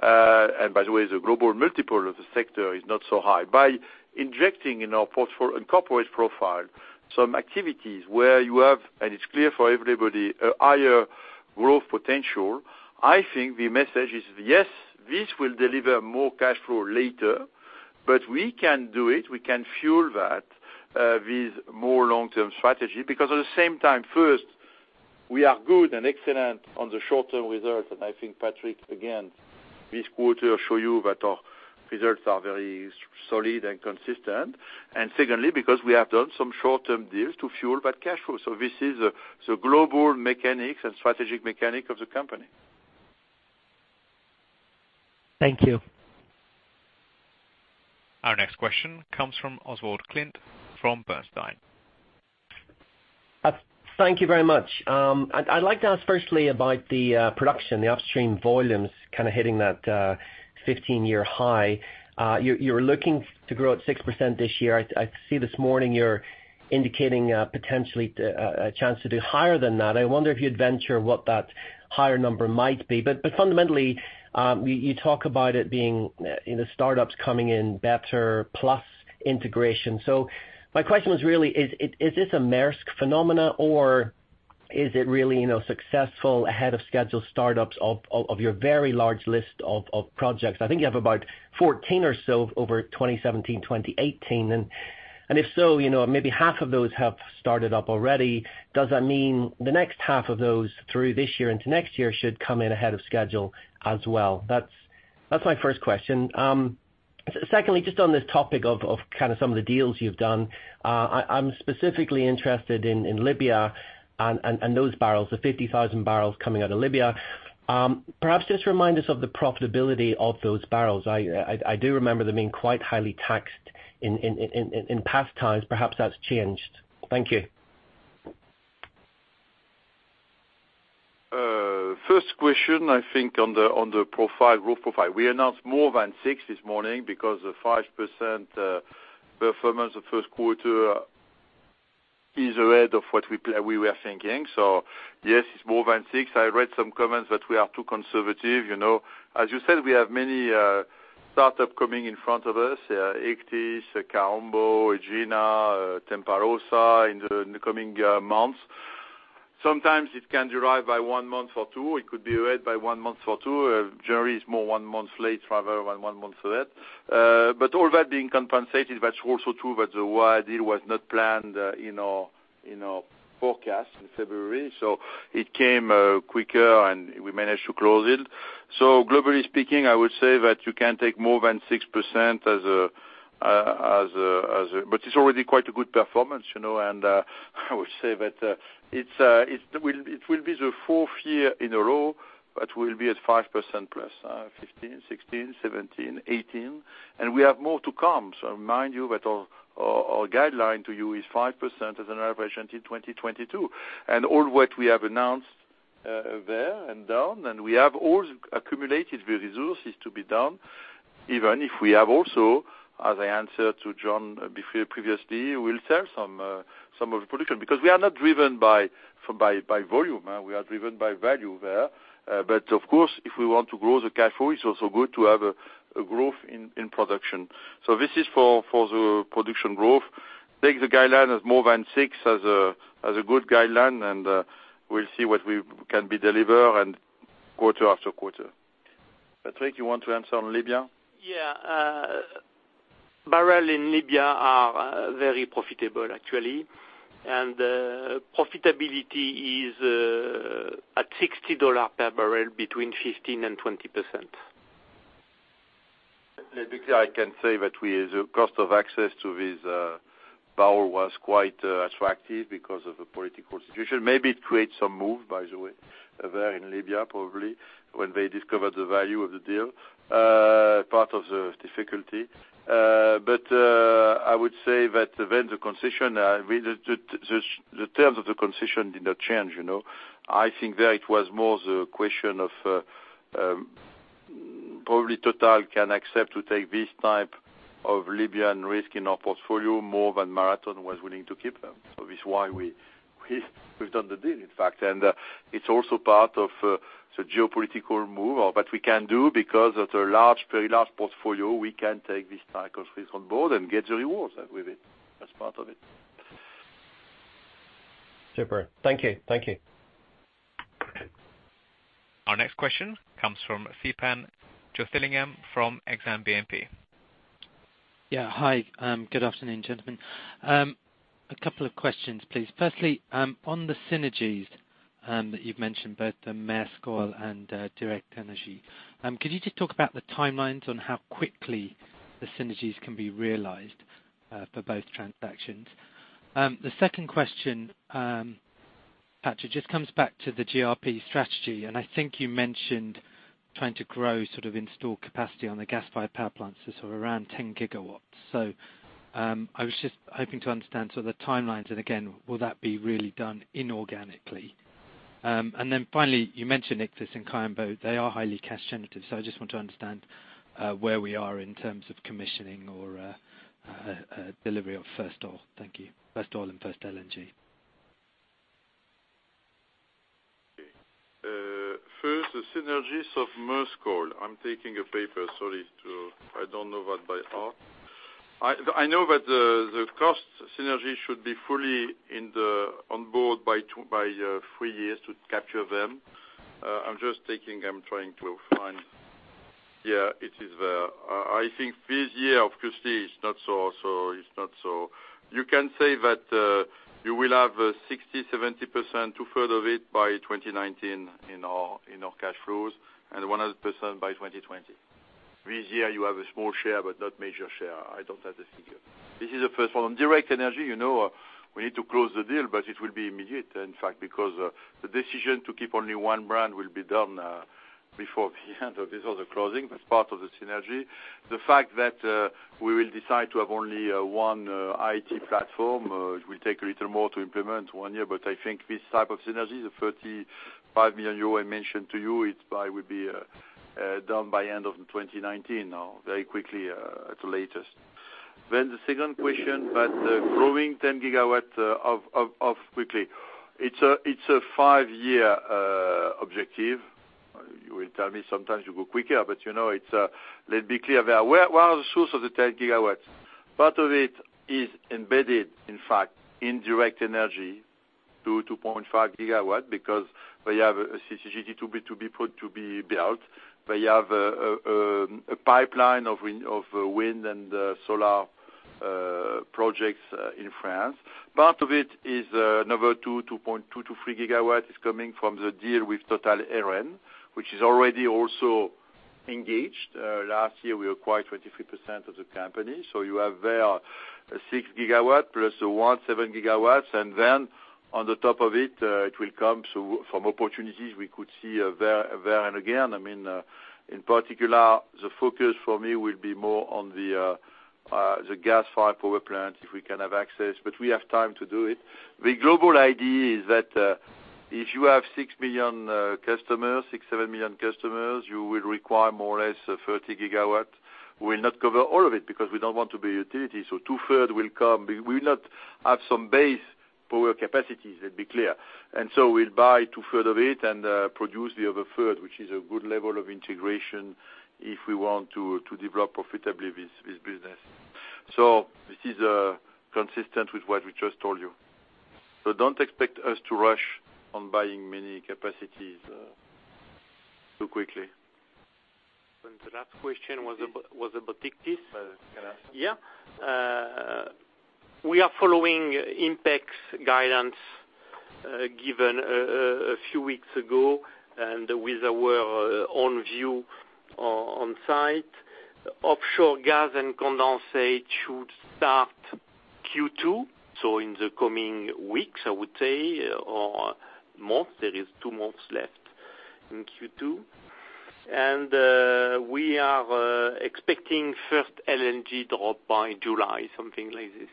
the way, the global multiple of the sector is not so high. By injecting in our corporate profile, some activities where you have, and it's clear for everybody, a higher growth potential. I think the message is, yes, this will deliver more cash flow later, but we can do it. We can fuel that with more long-term strategy. At the same time, first, we are good and excellent on the short-term results. I think Patrick, again, this quarter show you that our results are very solid and consistent. Secondly, because we have done some short-term deals to fuel that cash flow. This is the global mechanics and strategic mechanic of the company. Thank you. Our next question comes from Oswald Clint from Bernstein. Thank you very much. I'd like to ask firstly about the production, the upstream volumes hitting that 15-year high. You're looking to grow at 6% this year. I see this morning you're indicating potentially a chance to do higher than that. I wonder if you'd venture what that higher number might be. Fundamentally, you talk about it being startups coming in better plus integration. My question was really, is this a Maersk phenomena or is it really successful ahead of schedule startups of your very large list of projects? I think you have about 14 or so over 2017, 2018. If so, maybe half of those have started up already. Does that mean the next half of those through this year into next year should come in ahead of schedule as well? That's my first question. Secondly, just on this topic of some of the deals you've done. I'm specifically interested in Libya and those barrels, the 50,000 barrels coming out of Libya. Perhaps just remind us of the profitability of those barrels. I do remember them being quite highly taxed in past times. Perhaps that's changed. Thank you. First question, I think on the growth profile. We announced more than 6% this morning because the 5% performance the first quarter is ahead of what we were thinking. Yes, it's more than 6%. I read some comments that we are too conservative. As you said, we have many startup coming in front of us. Ichthys, Kaombo, Egina, Tempa Rossa in the coming months. Sometimes it can derive by one month or two. It could be ahead by one month or two. Generally, it's more one month late rather than one month ahead. All that being compensated, that's also true that the Maersk deal was not planned in our forecast in February. It came quicker, and we managed to close it. Globally speaking, I would say that you can take more than 6%, but it's already quite a good performance. I would say that it will be the fourth year in a row that we'll be at 5%+. 2015, 2016, 2017, 2018. We have more to come. I remind you that our guideline to you is 5% as an average until 2022. All what we have announced there and done, and we have all accumulated the resources to be done, even if we have also, as I answered to Jon previously, we'll sell some of the production because we are not driven by volume. We are driven by value there. Of course, if we want to grow the cash flow, it's also good to have a growth in production. This is for the production growth. Take the guideline as more than 6% as a good guideline, and we'll see what can be delivered quarter after quarter. Patrick, you want to answer on Libya? Yeah. Barrel in Libya are very profitable, actually. Profitability is at EUR 60 per barrel between 15% and 20%. Let me see. I can say that the cost of access to this barrel was quite attractive because of the political situation. Maybe it creates some move, by the way, there in Libya, probably, when they discover the value of the deal. Part of the difficulty. I would say that when the concession, the terms of the concession did not change. I think there it was more the question of probably Total can accept to take this type of Libyan risk in our portfolio more than Marathon was willing to keep them. This is why we've done the deal, in fact. It's also part of the geopolitical move of what we can do, because of the very large portfolio, we can take this type of risk on board and get the rewards with it as part of it. Super. Thank you. Our next question comes from Theepan Jothilingam from Exane BNP Paribas. Yeah. Hi, good afternoon, gentlemen. A couple of questions, please. Firstly, on the synergies that you've mentioned, both the Maersk Oil and Direct Energie. Could you just talk about the timelines on how quickly the synergies can be realized for both transactions? The second question, Patrick, just comes back to the GRP strategy. I think you mentioned trying to grow installed capacity on the gas-fired power plants, sort of around 10 gigawatts. I was just hoping to understand the timelines, and again, will that be really done inorganically? Finally, you mentioned Ichthys and Kaombo, they are highly cash generative. I just want to understand where we are in terms of commissioning or delivery of first oil. Thank you. First oil and first LNG. Okay. First, the synergies of Maersk Oil. I'm taking a paper, sorry. I don't know that by heart. I know that the cost synergy should be fully on board by three years to capture them. I'm just thinking, I'm trying to find. Yeah, it is there. I think this year, obviously, it's not so. You can say that you will have 60%, 70% two-third of it by 2019 in our cash flows, and 100% by 2020. This year, you have a small share, but not major share. I don't have the figure. This is the first one. On Direct Energie, we need to close the deal. It will be immediate, in fact, because the decision to keep only one brand will be done before the end of this or the closing. That's part of the synergy. The fact that we will decide to have only one IT platform, it will take a little more to implement, one year. I think this type of synergy, the 35 million euro I mentioned to you, it would be done by end of 2019 now, very quickly at the latest. The second question about the growing 10 gigawatts of quickly. It's a 5-year objective. You will tell me sometimes you go quicker. Let's be clear there. Where are the source of the 10 gigawatts? Part of it is embedded, in fact, in Direct Energie, 2 to 2.5 gigawatt, because they have a CCGT to be built. They have a pipeline of wind and solar projects in France. Part of it is number 2.2 to 3 gigawatt is coming from the deal with Total Eren, which is already also engaged. Last year, we acquired 23% of the company. You have there 6 gigawatt plus 1, 7 gigawatts, and then on the top of it will come from opportunities we could see there. Again, in particular, the focus for me will be more on the gas-fired power plant, if we can have access, but we have time to do it. The global idea is that if you have six million customers, six, seven million customers, you will require more or less 30 gigawatt. We'll not cover all of it because we don't want to be a utility. Two-third will come. We will not have some base power capacities, let's be clear. We'll buy two-third of it and produce the other third, which is a good level of integration if we want to develop profitably this business. This is consistent with what we just told you. Don't expect us to rush on buying many capacities too quickly. The last question was about Ichthys. Can I answer? We are following INPEX's guidance given a few weeks ago and with our own view on site. Offshore gas and condensate should start Q2, so in the coming weeks, I would say, or months. There is two months left in Q2. We are expecting first LNG drop by July, something like this.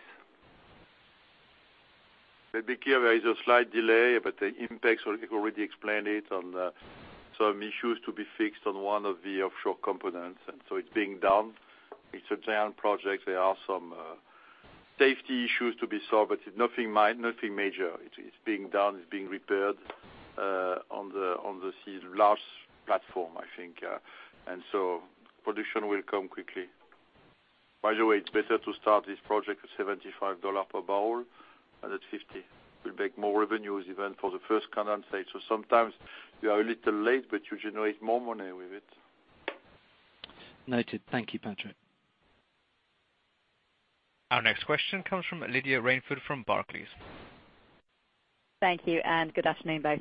Let's be clear, there is a slight delay, the INPEX already explained it on some issues to be fixed on one of the offshore components. It's being done. It's a giant project. There are some safety issues to be solved, but nothing major. It's being done. It's being repaired on the sea. Large platform, I think. Production will come quickly. By the way, it's better to start this project at $75 per barrel than at $50. We'll make more revenues even for the first condensate. Sometimes you are a little late, but you generate more money with it. Noted. Thank you, Patrick. Our next question comes from Lydia Rainforth from Barclays. Thank you, and good afternoon, both.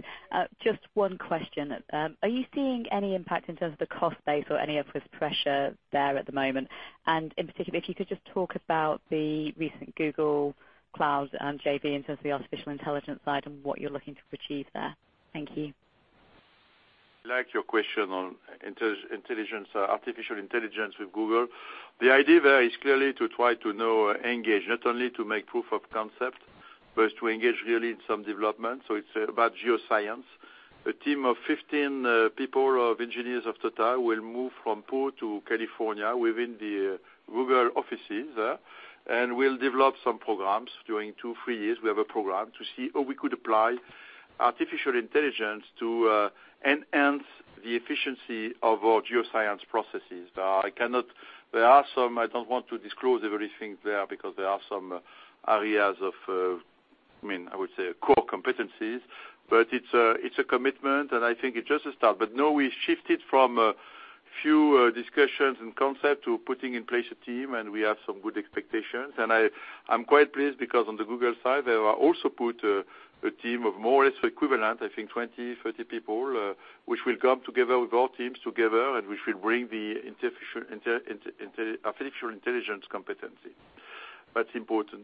Just one question. Are you seeing any impact in terms of the cost base or any upward pressure there at the moment? In particular, if you could just talk about the recent Google Cloud JV in terms of the artificial intelligence side and what you're looking to achieve there. Thank you. I like your question on artificial intelligence with Google. The idea there is clearly to try to now engage, not only to make proof of concept, but to engage really in some development. It's about geoscience. A team of 15 people of engineers of Total will move from Pau to California within the Google offices there, and we'll develop some programs during two, three years. We have a program to see how we could apply artificial intelligence to enhance the efficiency of our geoscience processes. I don't want to disclose everything there because there are some areas of, I would say, core competencies, but it's a commitment and I think it's just a start. No, we shifted from a few discussions and concept to putting in place a team, and we have some good expectations. I'm quite pleased because on the Google side, they have also put a team of more or less equivalent, I think 20, 30 people, which will come together with our teams together and which will bring the artificial intelligence competency. That's important.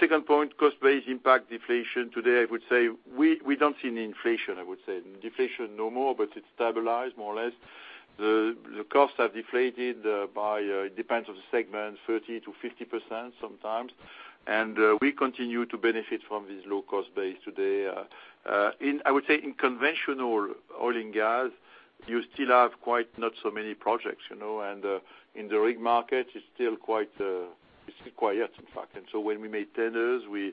Second point, cost base impact deflation. Today, I would say we don't see any inflation, I would say. Deflation, no more, but it's stabilized more or less. The costs have deflated by, it depends on the segment, 30%-50% sometimes. We continue to benefit from this low-cost base today. I would say in conventional oil and gas, you still have quite not so many projects. In the rig market, it's still quite quiet, in fact. When we make tenders, we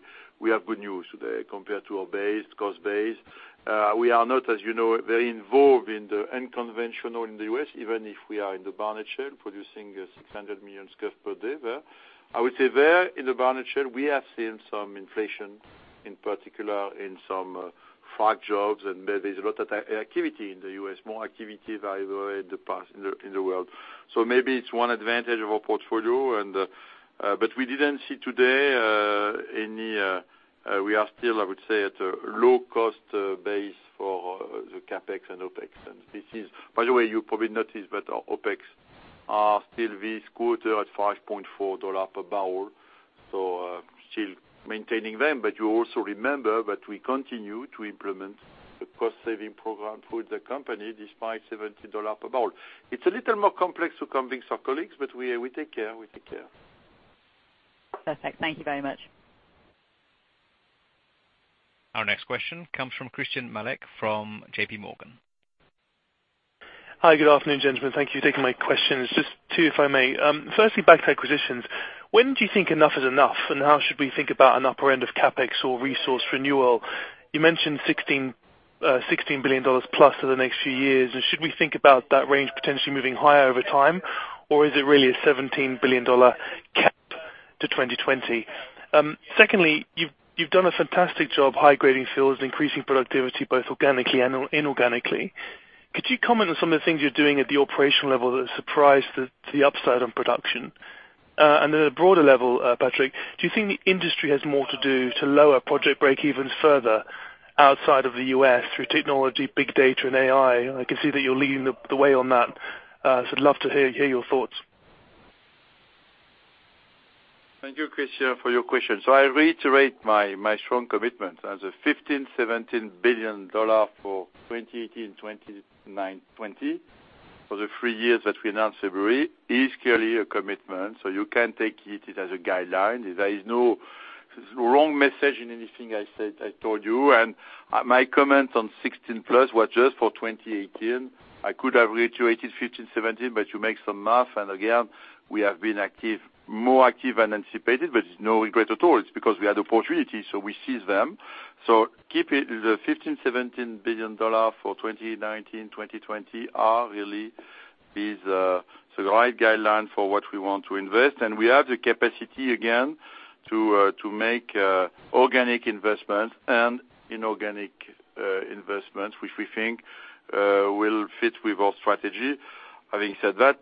have good news today compared to our base, cost base. We are not, as you know, very involved in the unconventional in the U.S., even if we are in the Barnett Shale, producing 600 million scf per day there. I would say there, in the Barnett Shale, we have seen some inflation, in particular in some frack jobs, and there's a lot of activity in the U.S., more activity than in the past in the world. Maybe it's one advantage of our portfolio. We are still, I would say, at a low-cost base for the CapEx and OpEx. By the way, you probably noticed that our OpEx are still this quarter at $5.4 per barrel, so still maintaining them. You also remember that we continue to implement the cost-saving program through the company despite $70 per barrel. It's a little more complex to convince our colleagues, but we take care. Perfect. Thank you very much. Our next question comes from Christyan Malek from JP Morgan. Hi, good afternoon, gentlemen. Thank you for taking my questions. Just two, if I may. Firstly, back to acquisitions, when do you think enough is enough, and how should we think about an upper end of CapEx or resource renewal? You mentioned EUR 16 billion plus for the next few years, should we think about that range potentially moving higher over time, or is it really a EUR 17 billion cap to 2020? Secondly, you've done a fantastic job high-grading fields, increasing productivity both organically and inorganically. Could you comment on some of the things you're doing at the operational level that surprised the upside on production? At a broader level, Patrick, do you think the industry has more to do to lower project break even further outside of the U.S. through technology, big data, and AI? I can see that you're leading the way on that, I'd love to hear your thoughts. Thank you, Christyan, for your question. I reiterate my strong commitment as a EUR 15 billion-EUR 17 billion for 2018, 2019, 2020, for the three years that we announced every year, is clearly a commitment. You can take it as a guideline. There is no wrong message in anything I said, I told you. My comments on 16 billion plus were just for 2018. I could have reiterated 15 billion, 17 billion, but you make some math. Again, we have been more active than anticipated, but it's no regret at all. It's because we had opportunities, we seized them. Keep it, the EUR 15 billion-EUR 17 billion for 2019, 2020 are really the right guideline for what we want to invest. We have the capacity, again, to make organic investment and inorganic investments, which we think will fit with our strategy. Having said that,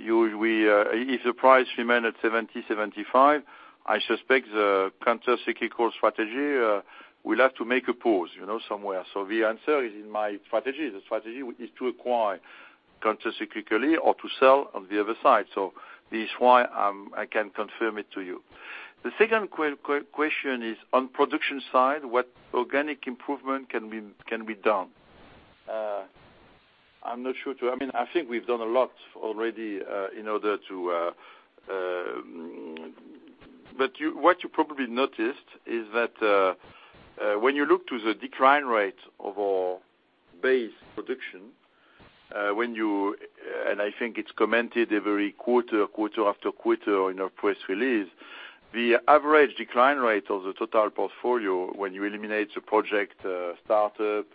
if the price remains at $70, $75, I suspect the counter cyclical strategy will have to make a pause somewhere. The answer is in my strategy. The strategy is to acquire counter cyclically or to sell on the other side. This is why I can confirm it to you. The second question is on production side, what organic improvement can be done? I'm not sure. I think we've done a lot already in order to. What you probably noticed is that when you look to the decline rate of our base production, and I think it's commented every quarter after quarter in our press release, the average decline rate of the total portfolio when you eliminate the project startup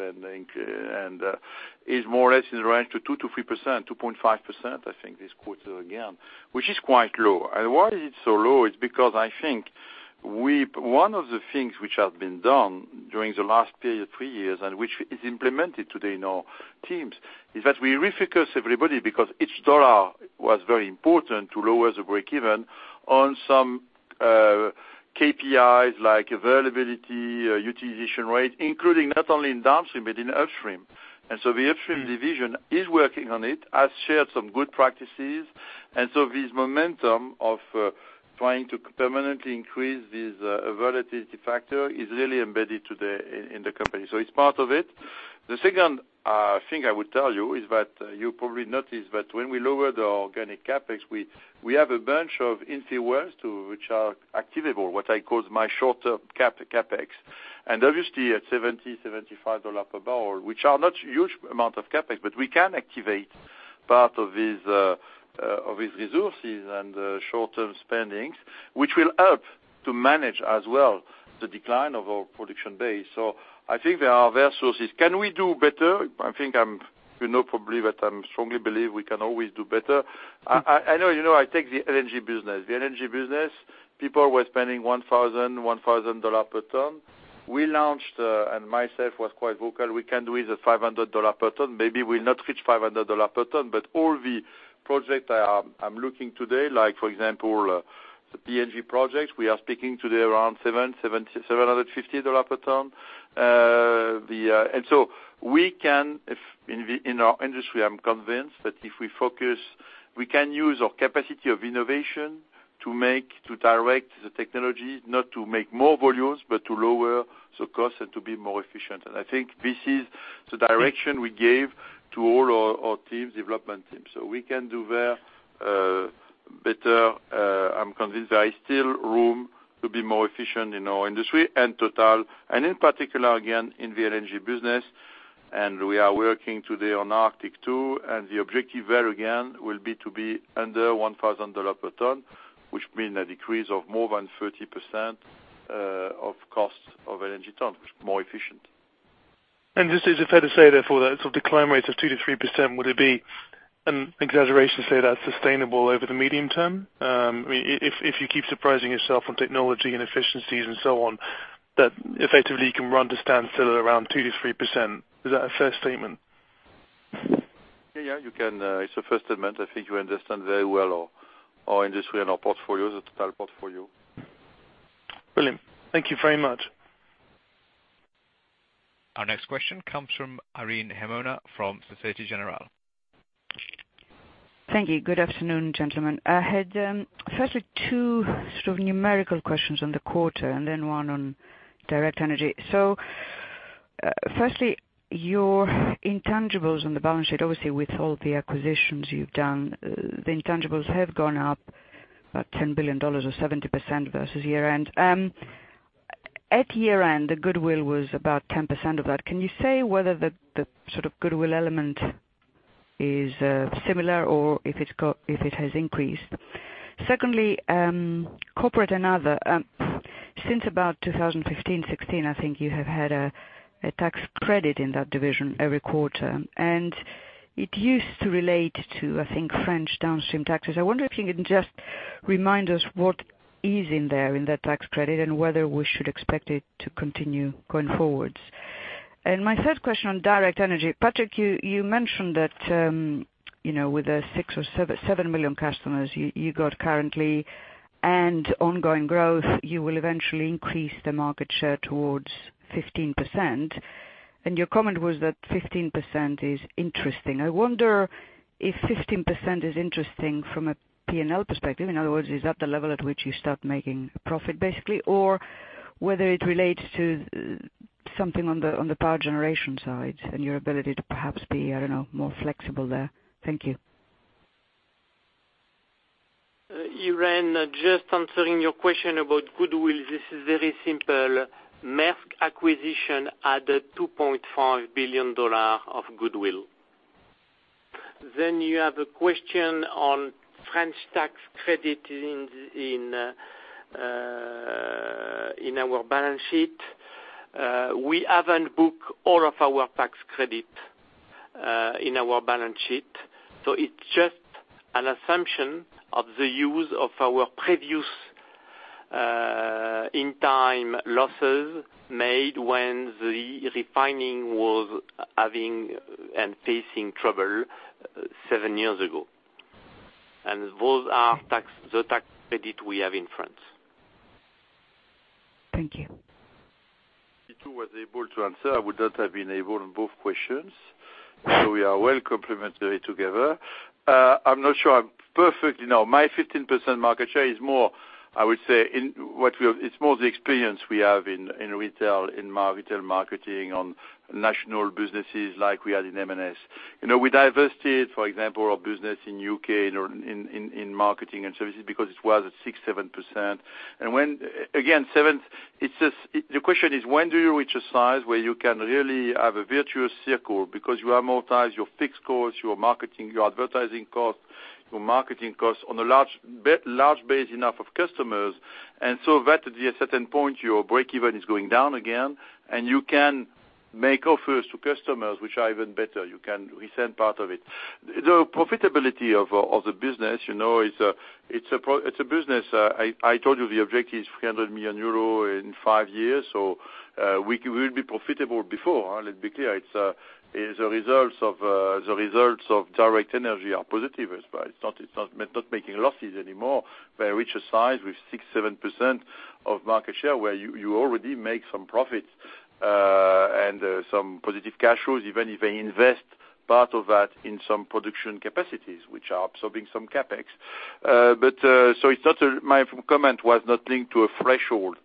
is more or less in the range to 2%-3%, 2.5%, I think this quarter again, which is quite low. Why is it so low? It's because I think one of the things which have been done during the last period, three years, and which is implemented today in our teams, is that we refocus everybody because each EUR was very important to lower the break even on some KPIs like availability, utilization rate, including not only in downstream, but in upstream. The upstream division is working on it, has shared some good practices. This momentum of trying to permanently increase this availability factor is really embedded today in the company. It's part of it. The second thing I would tell you is that you probably noticed that when we lower the organic CapEx, we have a bunch of in-sources which are activable, what I call my short-term CapEx. Obviously at $70, $75 per barrel, which are not huge amount of CapEx, but we can activate part of these resources and short-term spendings, which will help to manage as well the decline of our production base. I think there are resources. Can we do better? You know probably that I strongly believe we can always do better. I take the LNG business. The LNG business, people were spending $1,000 per ton. We launched, and myself was quite vocal, we can do it at $500 per ton. Maybe we'll not reach $500 per ton, but all the projects I'm looking today, like for example, the PNG projects, we are speaking today around $700, $750 per ton. In our industry, I'm convinced that if we focus, we can use our capacity of innovation to direct the technology, not to make more volumes, but to lower the cost and to be more efficient. I think this is the direction we gave to all our teams, development teams, so we can do better. I'm convinced there is still room to be more efficient in our industry and Total, and in particular, again, in the LNG business. We are working today on Arctic II, and the objective there, again, will be to be under EUR 1,000 per ton, which mean a decrease of more than 30% of cost of LNG ton, which is more efficient. Is it fair to say, therefore, that decline rates of 2% to 3%, would it be an exaggeration to say that's sustainable over the medium term? If you keep surprising yourself on technology and efficiencies and so on, that effectively you can understand still at around 2% to 3%. Is that a fair statement? Yeah. It's a fair statement. I think you understand very well our industry and our portfolios, the Total portfolio. Brilliant. Thank you very much. Our next question comes from Irene Himona from Societe Generale. Thank you. Good afternoon, gentlemen. I had, firstly, two numerical questions on the quarter and then one on Direct Énergie. Firstly, your intangibles on the balance sheet. Obviously, with all the acquisitions you've done, the intangibles have gone up about $10 billion or 70% versus year-end. At year-end, the goodwill was about 10% of that. Can you say whether the goodwill element is similar or if it has increased? Secondly, corporate and other. Since about 2015, 2016, I think you have had a tax credit in that division every quarter, and it used to relate to, I think, French downstream taxes. I wonder if you can just remind us what is in there in that tax credit and whether we should expect it to continue going forwards. My third question on Direct Énergie. Patrick, you mentioned that with the six or seven million customers you got currently and ongoing growth, you will eventually increase the market share towards 15%. Your comment was that 15% is interesting. I wonder if 15% is interesting from a P&L perspective. In other words, is that the level at which you start making profit, basically, or whether it relates to something on the power generation side and your ability to perhaps be more flexible there. Thank you. Irene, just answering your question about goodwill, this is very simple. Maersk acquisition added $2.5 billion of goodwill. You have a question on French tax credit in our balance sheet. We haven't booked all of our tax credit in our balance sheet. It's just an assumption of the use of our previous in-time losses made when the refining was having and facing trouble seven years ago. Those are the tax credit we have in France. Thank you. Patrick was able to answer. I would not have been able on both questions. We are well complementary together. I'm not sure I'm perfect. My 15% market share is more, I would say, it's more the experience we have in retail, in retail marketing, on national businesses like we had in M&S. We divested, for example, our business in U.K., in marketing and services because it was at 6%, 7%. The question is, when do you reach a size where you can really have a virtuous circle because you amortize your fixed costs, your marketing, your advertising cost, your marketing costs on a large base enough of customers, eventually at a certain point, your break-even is going down again, and you can make offers to customers which are even better. You can resend part of it. The profitability of the business, it's a business. I told you the objective is 300 million euro in 5 years. We will be profitable before. Let's be clear. The results of Direct Energie are positive as well. It's not making losses anymore. They reach a size with 6%, 7% of market share, where you already make some profit and some positive cash flows, even if they invest part of that in some production capacities, which are absorbing some CapEx. My comment was not linked to a threshold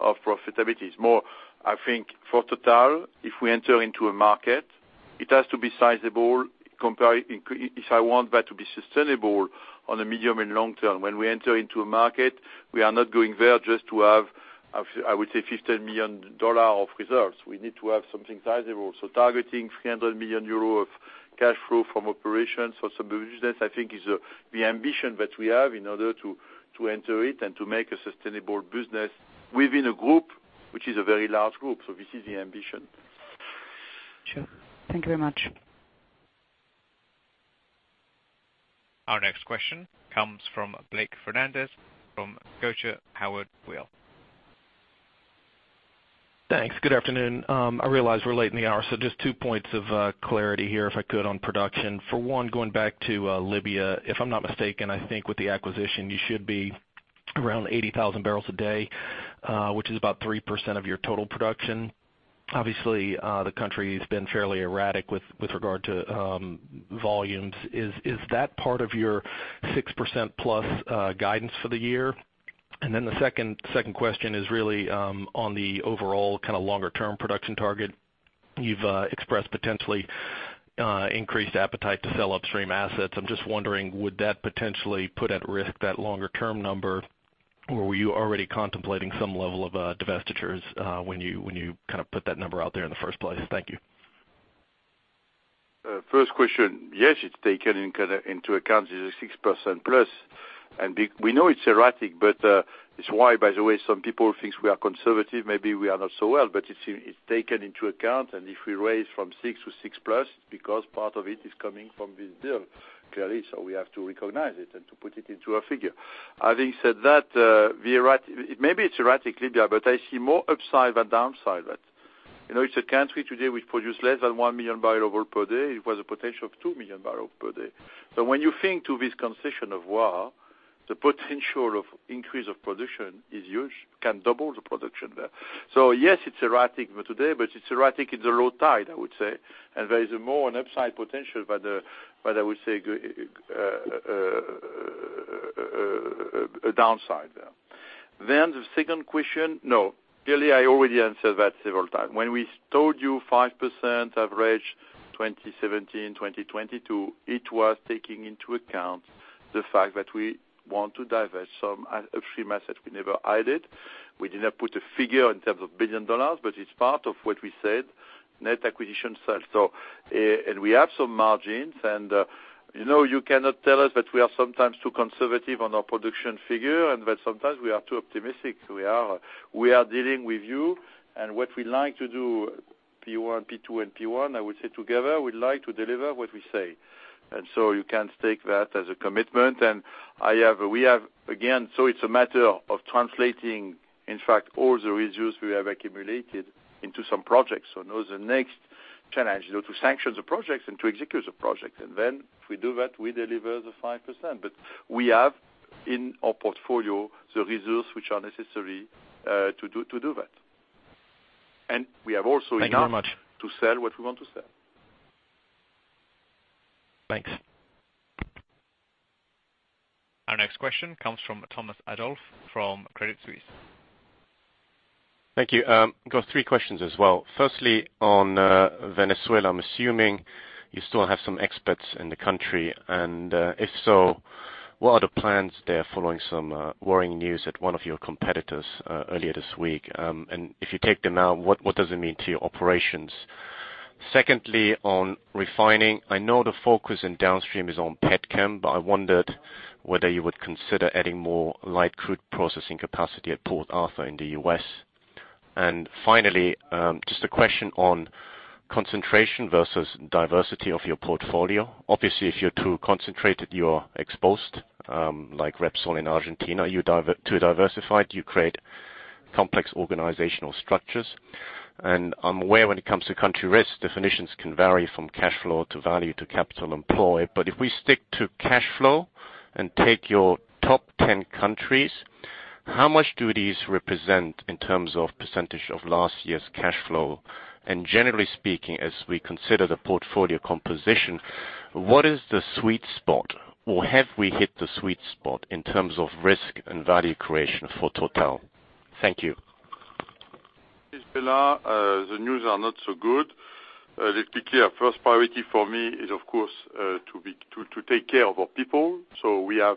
of profitability. It's more, I think, for Total, if we enter into a market, it has to be sizable. If I want that to be sustainable on the medium and long term, when we enter into a market, we are not going there just to have I would say EUR 15 million of reserves. We need to have something sizable. Targeting 300 million euros of cash flow from operations for sub business, I think is the ambition that we have in order to enter it and to make a sustainable business within a group, which is a very large group. This is the ambition. Sure. Thank you very much. Our next question comes from Blake Fernandez from Scotia Howard Weil. Thanks. Good afternoon. I realize we're late in the hour. Just two points of clarity here, if I could, on production. For one, going back to Libya, if I'm not mistaken, I think with the acquisition, you should be around 80,000 barrels a day, which is about 3% of your total production. Obviously, the country's been fairly erratic with regard to volumes. Is that part of your 6% plus guidance for the year? The second question is really on the overall longer term production target. You've expressed potentially increased appetite to sell upstream assets. I'm just wondering, would that potentially put at risk that longer-term number, or were you already contemplating some level of divestitures when you put that number out there in the first place? Thank you. First question. Yes, it's taken into account. This is 6% plus. We know it's erratic, but it's why, by the way, some people think we are conservative. Maybe we are not so well, but it's taken into account. If we raise from six to six plus, because part of it is coming from this deal, clearly. We have to recognize it and to put it into a figure. Having said that, maybe it's erratic, Libya, but I see more upside than downside. It's a country today which produce less than 1 million barrel oil per day. It was a potential of 2 million barrels per day. When you think to this concession of war, the potential of increase of production is huge, can double the production there. Yes, it's erratic today, but it's erratic in the low tide, I would say. There is more an upside potential, but I would say a downside there. The second question. No. Clearly, I already answered that several times. When we told you 5% average 2017-2022, it was taking into account the fact that we want to divest some upstream assets. We never hide it. We did not put a figure in terms of billion EUR, but it's part of what we said, net acquisition sale. We have some margins, and you cannot tell us that we are sometimes too conservative on our production figure, and that sometimes we are too optimistic. We are dealing with you, and what we like to do, P1, P2, and P1, I would say together, we like to deliver what we say. You can take that as a commitment. It's a matter of translating, in fact, all the results we have accumulated into some projects. Now the next challenge, to sanction the projects and to execute the project. If we do that, we deliver the 5%. We have in our portfolio the results which are necessary to do that. We have also enough- Thank you very much. To sell what we want to sell. Thanks. Our next question comes from Thomas Adolff from Credit Suisse. Thank you. Got three questions as well. Firstly, on Venezuela, I'm assuming you still have some expats in the country, and if so, what are the plans there following some worrying news at one of your competitors earlier this week? If you take them out, what does it mean to your operations? Secondly, on refining, I know the focus in downstream is on petchem, but I wondered whether you would consider adding more light crude processing capacity at Port Arthur in the U.S. Finally, just a question on concentration versus diversity of your portfolio. Obviously, if you're too concentrated, you are exposed, like Repsol in Argentina. You're too diversified, you create complex organizational structures. I'm aware when it comes to country risk, definitions can vary from cash flow to value to capital employed. If we stick to cash flow and take your top 10 countries, how much do these represent in terms of % of last year's cash flow? Generally speaking, as we consider the portfolio composition, what is the sweet spot, or have we hit the sweet spot in terms of risk and value creation for Total? Thank you. The news are not so good. Let's be clear. First priority for me is, of course, to take care of our people. We have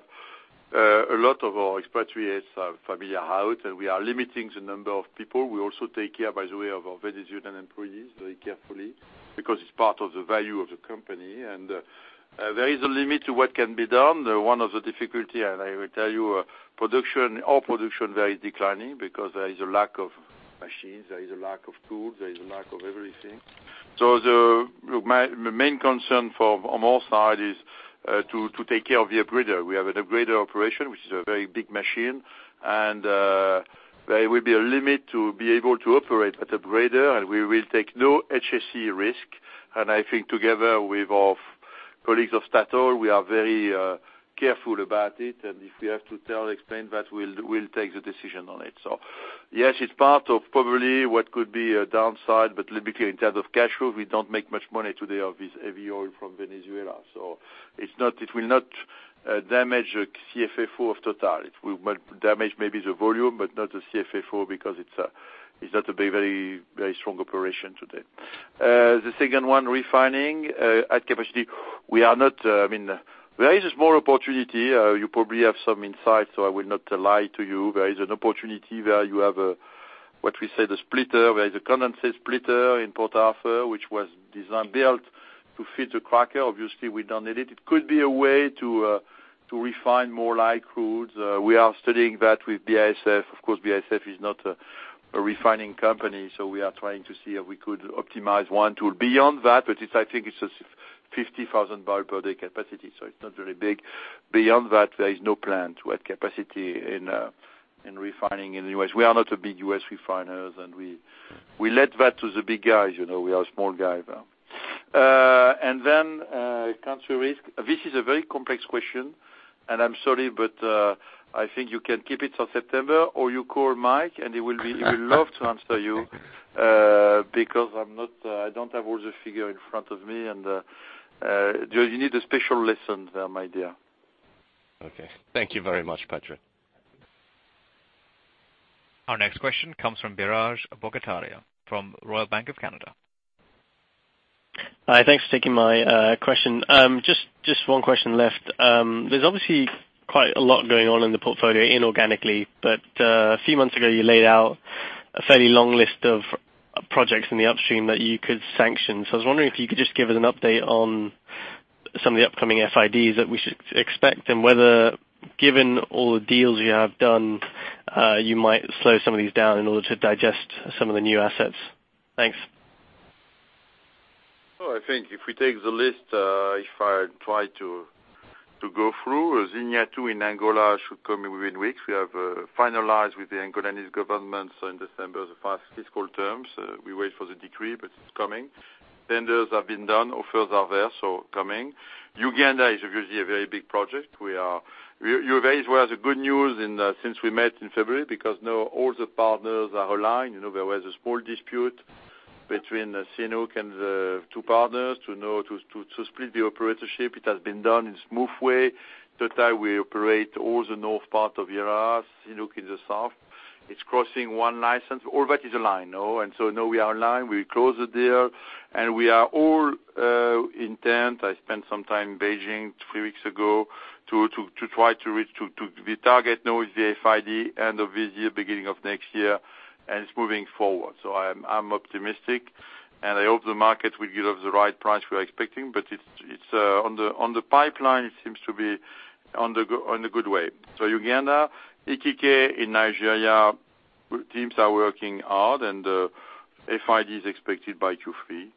a lot of our expatriates have family out, and we are limiting the number of people. We also take care, by the way, of our Venezuelan employees very carefully because it's part of the value of the company. There is a limit to what can be done. One of the difficulty, and I will tell you, our production there is declining because there is a lack of machines, there is a lack of tools, there is a lack of everything. The main concern from all sides is to take care of the upgrader. We have an upgrader operation, which is a very big machine, there will be a limit to be able to operate that upgrader, we will take no HSE risk. I think together with our colleagues of Statoil, we are very careful about it. If we have to tell, explain that, we'll take the decision on it. Yes, it's part of probably what could be a downside, but let be clear, in terms of cash flow, we don't make much money today off this heavy oil from Venezuela. It will not damage the CFFO of Total. It will damage maybe the volume, but not the CFFO because it's a Is that a very strong operation today? The second one, refining, at capacity. There is a small opportunity. You probably have some insight, so I will not lie to you. There is an opportunity where you have, what we say, the splitter, where the condensate splitter in Port Arthur, which was designed, built to fit the cracker. Obviously, we don't need it. It could be a way to refine more light crudes. We are studying that with BASF. Of course, BASF is not a refining company, so we are trying to see if we could optimize one tool. Beyond that, which is, I think it's a 50,000 barrel per day capacity, so it's not very big. Beyond that, there is no plan to add capacity in refining in the U.S. We are not a big U.S. refiner, we left that to the big guys. We are a small guy. Country risk. This is a very complex question, I'm sorry, but I think you can keep it till September, or you call Mike, he will love to answer you. I don't have all the figure in front of me, you need a special lesson there, my dear. Okay. Thank you very much, Patrick. Our next question comes from Biraj Borkhataria from Royal Bank of Canada. Hi, thanks for taking my question. Just one question left. There's obviously quite a lot going on in the portfolio inorganically. A few months ago, you laid out a fairly long list of projects in the upstream that you could sanction. I was wondering if you could just give us an update on some of the upcoming FIDs that we should expect, and whether, given all the deals you have done, you might slow some of these down in order to digest some of the new assets. Thanks. I think if we take the list, if I try to go through, Zinia 2 in Angola should come in within weeks. We have finalized with the Angolan government in December the past fiscal terms. We wait for the decree. It's coming. Tenders have been done. Offers are there, coming. Uganda is obviously a very big project. You're very aware of the good news since we met in February, because now all the partners are aligned. There was a small dispute between CNOOC and the two partners to split the operatorship. It has been done in a smooth way. Total, we operate all the north part of CNOOC in the south. It's crossing one license. All that is aligned. Now we are aligned. We closed the deal. We are all intent. I spent some time in Beijing three weeks ago to try to reach to the target. Now it's the FID end of this year, beginning of next year. It's moving forward. I'm optimistic. I hope the market will give us the right price we are expecting. On the pipeline, it seems to be on the good way. Uganda, Ikike in Nigeria, teams are working hard. FID is expected by Q3.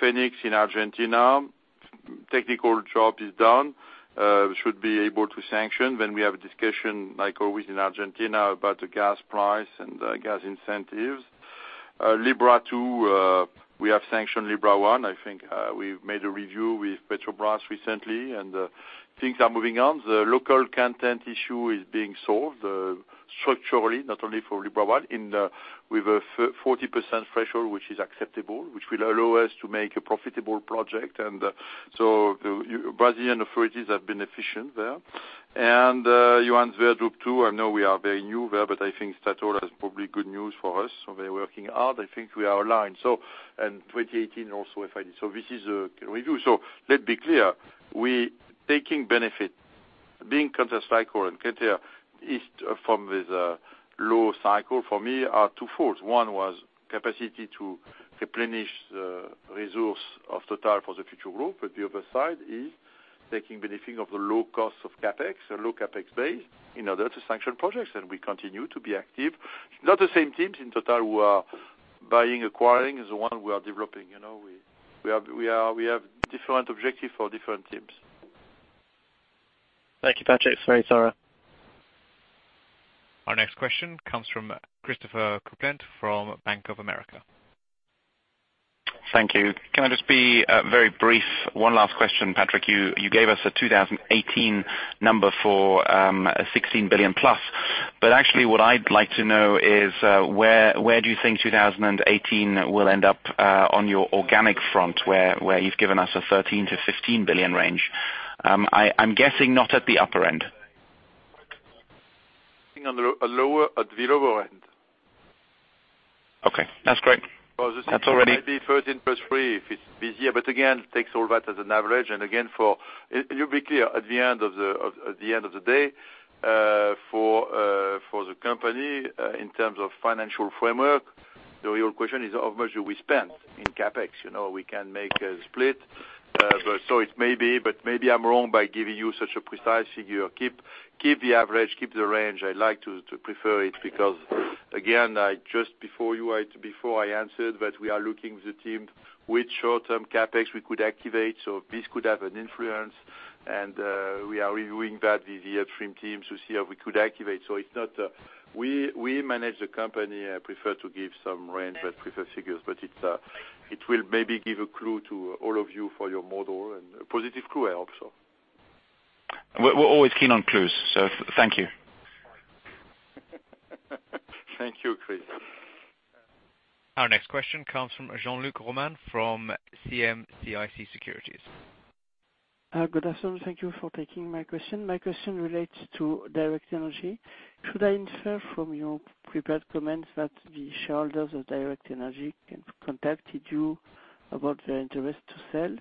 Fénix in Argentina, technical job is done. We should be able to sanction. We have a discussion, like always in Argentina, about the gas price and gas incentives. Iara 2. We have sanctioned Iara 1. I think we've made a review with Petrobras recently. Things are moving on. The local content issue is being solved structurally, not only for Libra 1, with a 40% threshold, which is acceptable, which will allow us to make a profitable project. The Brazilian authorities have been efficient there. Juan Zubia 2, I know we are very new there, but I think Statoil has probably good news for us. They're working hard. I think we are aligned. In 2018, also FID. This is a review. Let's be clear. We taking benefit, being counter-cycle, and criteria is from this low cycle for me are twofolds. One was capacity to replenish the resource of Total for the future growth, but the other side is taking benefit of the low cost of CapEx, a low CapEx base. In other, to sanction projects, we continue to be active. Not the same teams in Total who are buying, acquiring, is the one we are developing. We have different objective for different teams. Thank you, Patrick. Very thorough. Our next question comes from Christopher Kuplent from Bank of America. Thank you. Can I just be very brief? One last question, Patrick. You gave us a 2018 number for 16 billion plus, but actually what I'd like to know is where do you think 2018 will end up on your organic front, where you've given us a 13 billion-15 billion range? I'm guessing not at the upper end. I'm thinking at the lower end. Okay, that's great. That's already. Well, the might be 13 plus 3 if it's busier, again, take all that as an average. Again, you be clear, at the end of the day, for the company, in terms of financial framework, your question is how much do we spend in CapEx? We can make a split. Maybe I'm wrong by giving you such a precise figure. Keep the average, keep the range. I like to prefer it because, again, just before I answered that we are looking the team which short-term CapEx we could activate so this could have an influence. We are reviewing that with the upstream team to see how we could activate. We manage the company. I prefer to give some range than prefer figures, but it will maybe give a clue to all of you for your model, and a positive clue, I hope so. We're always keen on clues, so thank you. Thank you, Chris. Our next question comes from Jean-Luc Romain from CM-CIC Securities. Good afternoon. Thank you for taking my question. My question relates to Direct Energie. Should I infer from your prepared comments that the shareholders of Direct Energie contacted you about their interest to sell?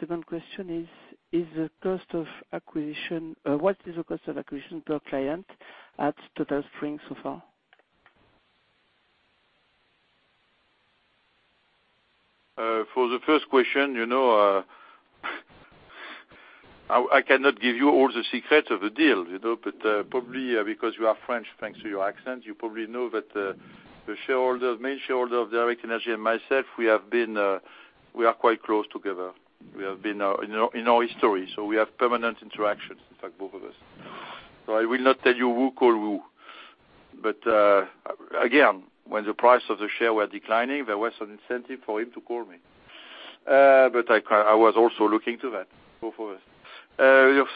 Second question is, what is the cost of acquisition per client at Total Spring so far? For the first question, I cannot give you all the secret of the deal. Probably because you are French, thanks to your accent, you probably know that the main shareholder of Direct Energie and myself, we are quite close together in our history. We have permanent interactions, in fact, both of us. I will not tell you who called who, but again, when the price of the share were declining, there was an incentive for him to call me. I was also looking to that, both of us. Your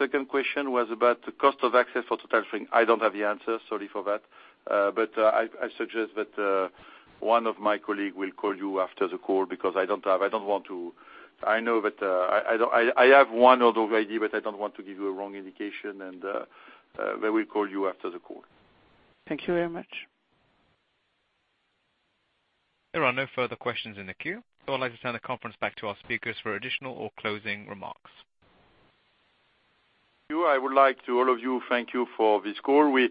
second question was about the cost of access for Total Spring. I don't have the answer. Sorry for that. I suggest that one of my colleague will call you after the call because I have one order of idea, but I don't want to give you a wrong indication. They will call you after the call. Thank you very much. There are no further questions in the queue. I'd like to turn the conference back to our speakers for additional or closing remarks. I would like to all of you, thank you for this call. We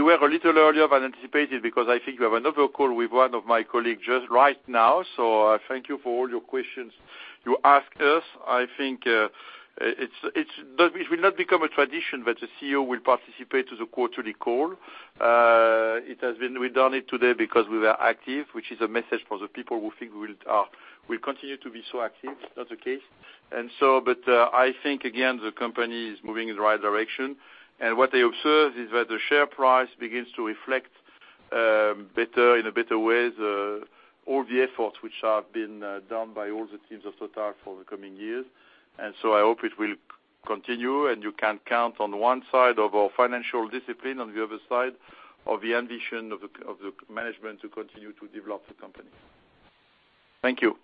were a little earlier than anticipated because I think you have another call with one of my colleagues just right now. I thank you for all your questions you asked us. It will not become a tradition that the CEO will participate to the quarterly call. We done it today because we were active, which is a message for the people who think we'll continue to be so active, that's the case. I think, again, the company is moving in the right direction, and what they observe is that the share price begins to reflect in a better way all the efforts which have been done by all the teams of Total for the coming years. I hope it will continue, and you can count on one side of our financial discipline, on the other side of the ambition of the management to continue to develop the company. Thank you.